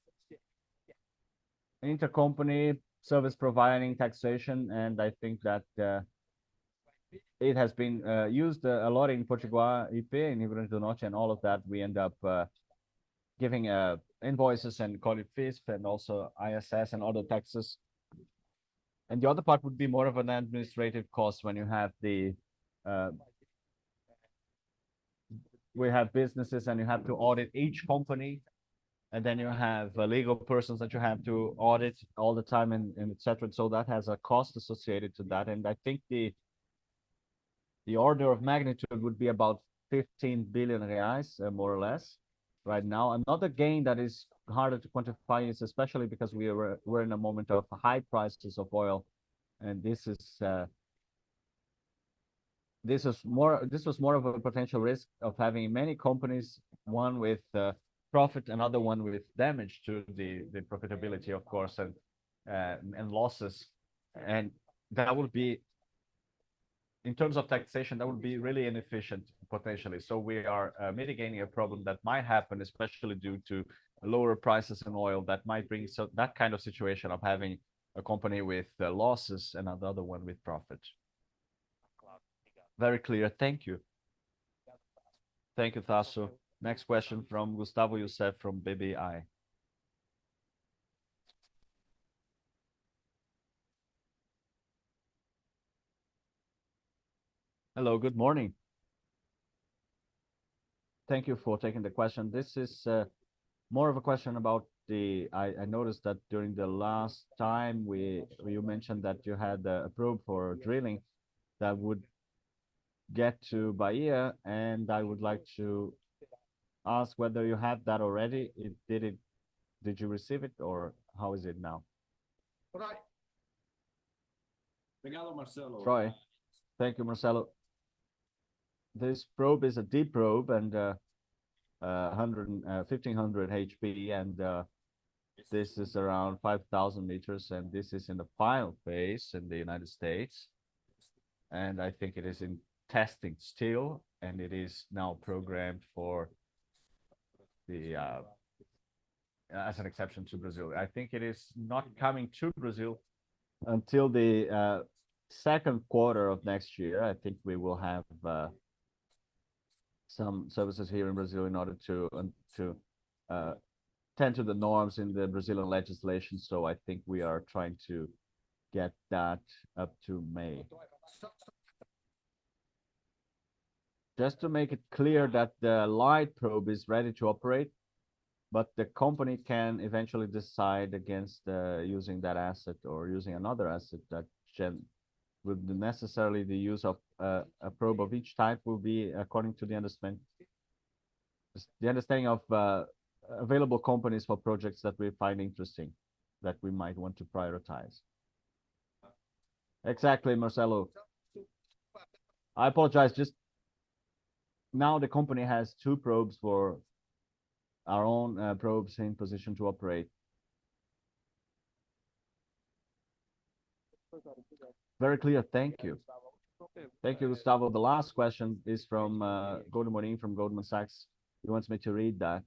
intercompany service providing taxation, and I think that, it has been, used a lot in Potiguar, SPE, and Rio Grande do Norte, and all of that. We end up, giving, invoices and COFINS, and also ISS, and other taxes. The other part would be more of an administrative cost when you have the... We have businesses, and you have to audit each company, and then you have legal persons that you have to audit all the time, and et cetera. So that has a cost associated to that, and I think the order of magnitude would be about 15 million reais, more or less right now. Another gain that is harder to quantify is especially because we are, we're in a moment of high prices of oil, and this is this was more of a potential risk of having many companies, one with profit and another one with damage to the profitability, of course, and losses. That would be, in terms of taxation, that would be really inefficient potentially. So we are mitigating a problem that might happen, especially due to lower prices in oil, that might bring that kind of situation of having a company with losses and another one with profit. Very clear. Thank you. Thank you, Tasso. Next question from Gustavo Schroden from BBI. Hello, good morning. Thank you for taking the question. This is more of a question about the... I noticed that during the last time, you mentioned that you had approved for drilling, that would get to Bahia, and I would like to ask whether you have that already. Did you receive it, or how is it now? Thank you, Marcelo. This probe is a deep probe, and 1,500 HP and this is around 5,000 meters, and this is in the pilot phase in the United States, and I think it is in testing still, and it is now programmed for the, As an exception to Brazil. I think it is not coming to Brazil until the second quarter of next year. I think we will have some services here in Brazil in order to to tend to the norms in the Brazilian legislation. So I think we are trying to get that up to May. Just to make it clear that the light probe is ready to operate, but the company can eventually decide against using that asset or using another asset. With the necessary, the use of a probe of each type will be according to the understanding of available companies for projects that we find interesting, that we might want to prioritize. Exactly, Marcelo. I apologize, just now the company has two probes for our own in position to operate. Very clear. Thank you. Thank you, Gustavo. The last question is from Bruno Amorim from Goldman Sachs. He wants me to read that.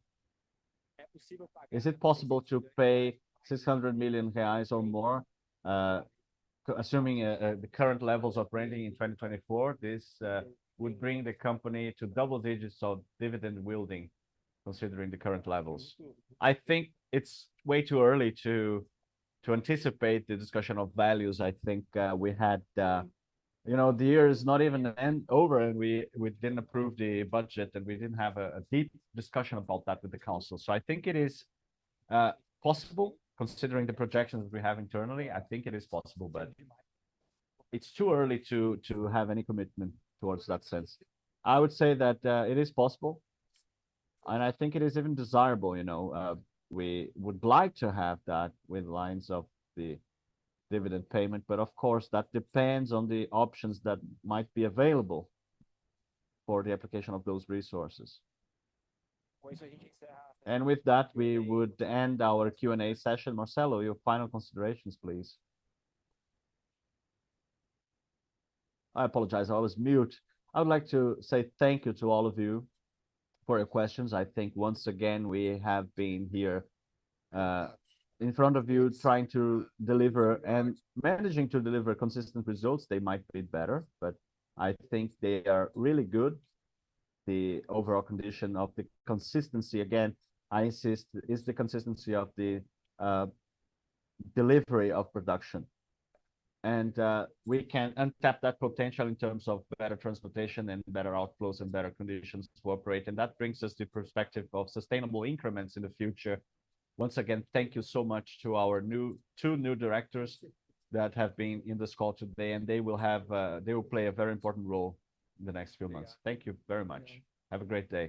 "Is it possible to pay 600 million reais or more, assuming the current levels of renting in 2024? This would bring the company to double digits of dividend yielding, considering the current levels." I think it's way too early to anticipate the discussion of values. I think we had... You know, the year is not even over, and we didn't approve the budget, and we didn't have a deep discussion about that with the council. So I think it is possible, considering the projections we have internally. I think it is possible, but it's too early to have any commitment towards that sense. I would say that, it is possible, and I think it is even desirable, you know. We would like to have that with lines of the dividend payment, but of course, that depends on the options that might be available for the application of those resources. And with that, we would end our Q&A session. Marcelo, your final considerations, please. I apologize, I was mute. I would like to say thank you to all of you for your questions. I think once again, we have been here, in front of you, trying to deliver and managing to deliver consistent results. They might be better, but I think they are really good. The overall condition of the consistency, again, I insist, is the consistency of the delivery of production. And, we can untap that potential in terms of better transportation and better outflows and better conditions to operate, and that brings us the perspective of sustainable increments in the future. Once again, thank you so much to our new, two new directors that have been in this call today, and they will have, they will play a very important role in the next few months. Thank you very much. Have a great day.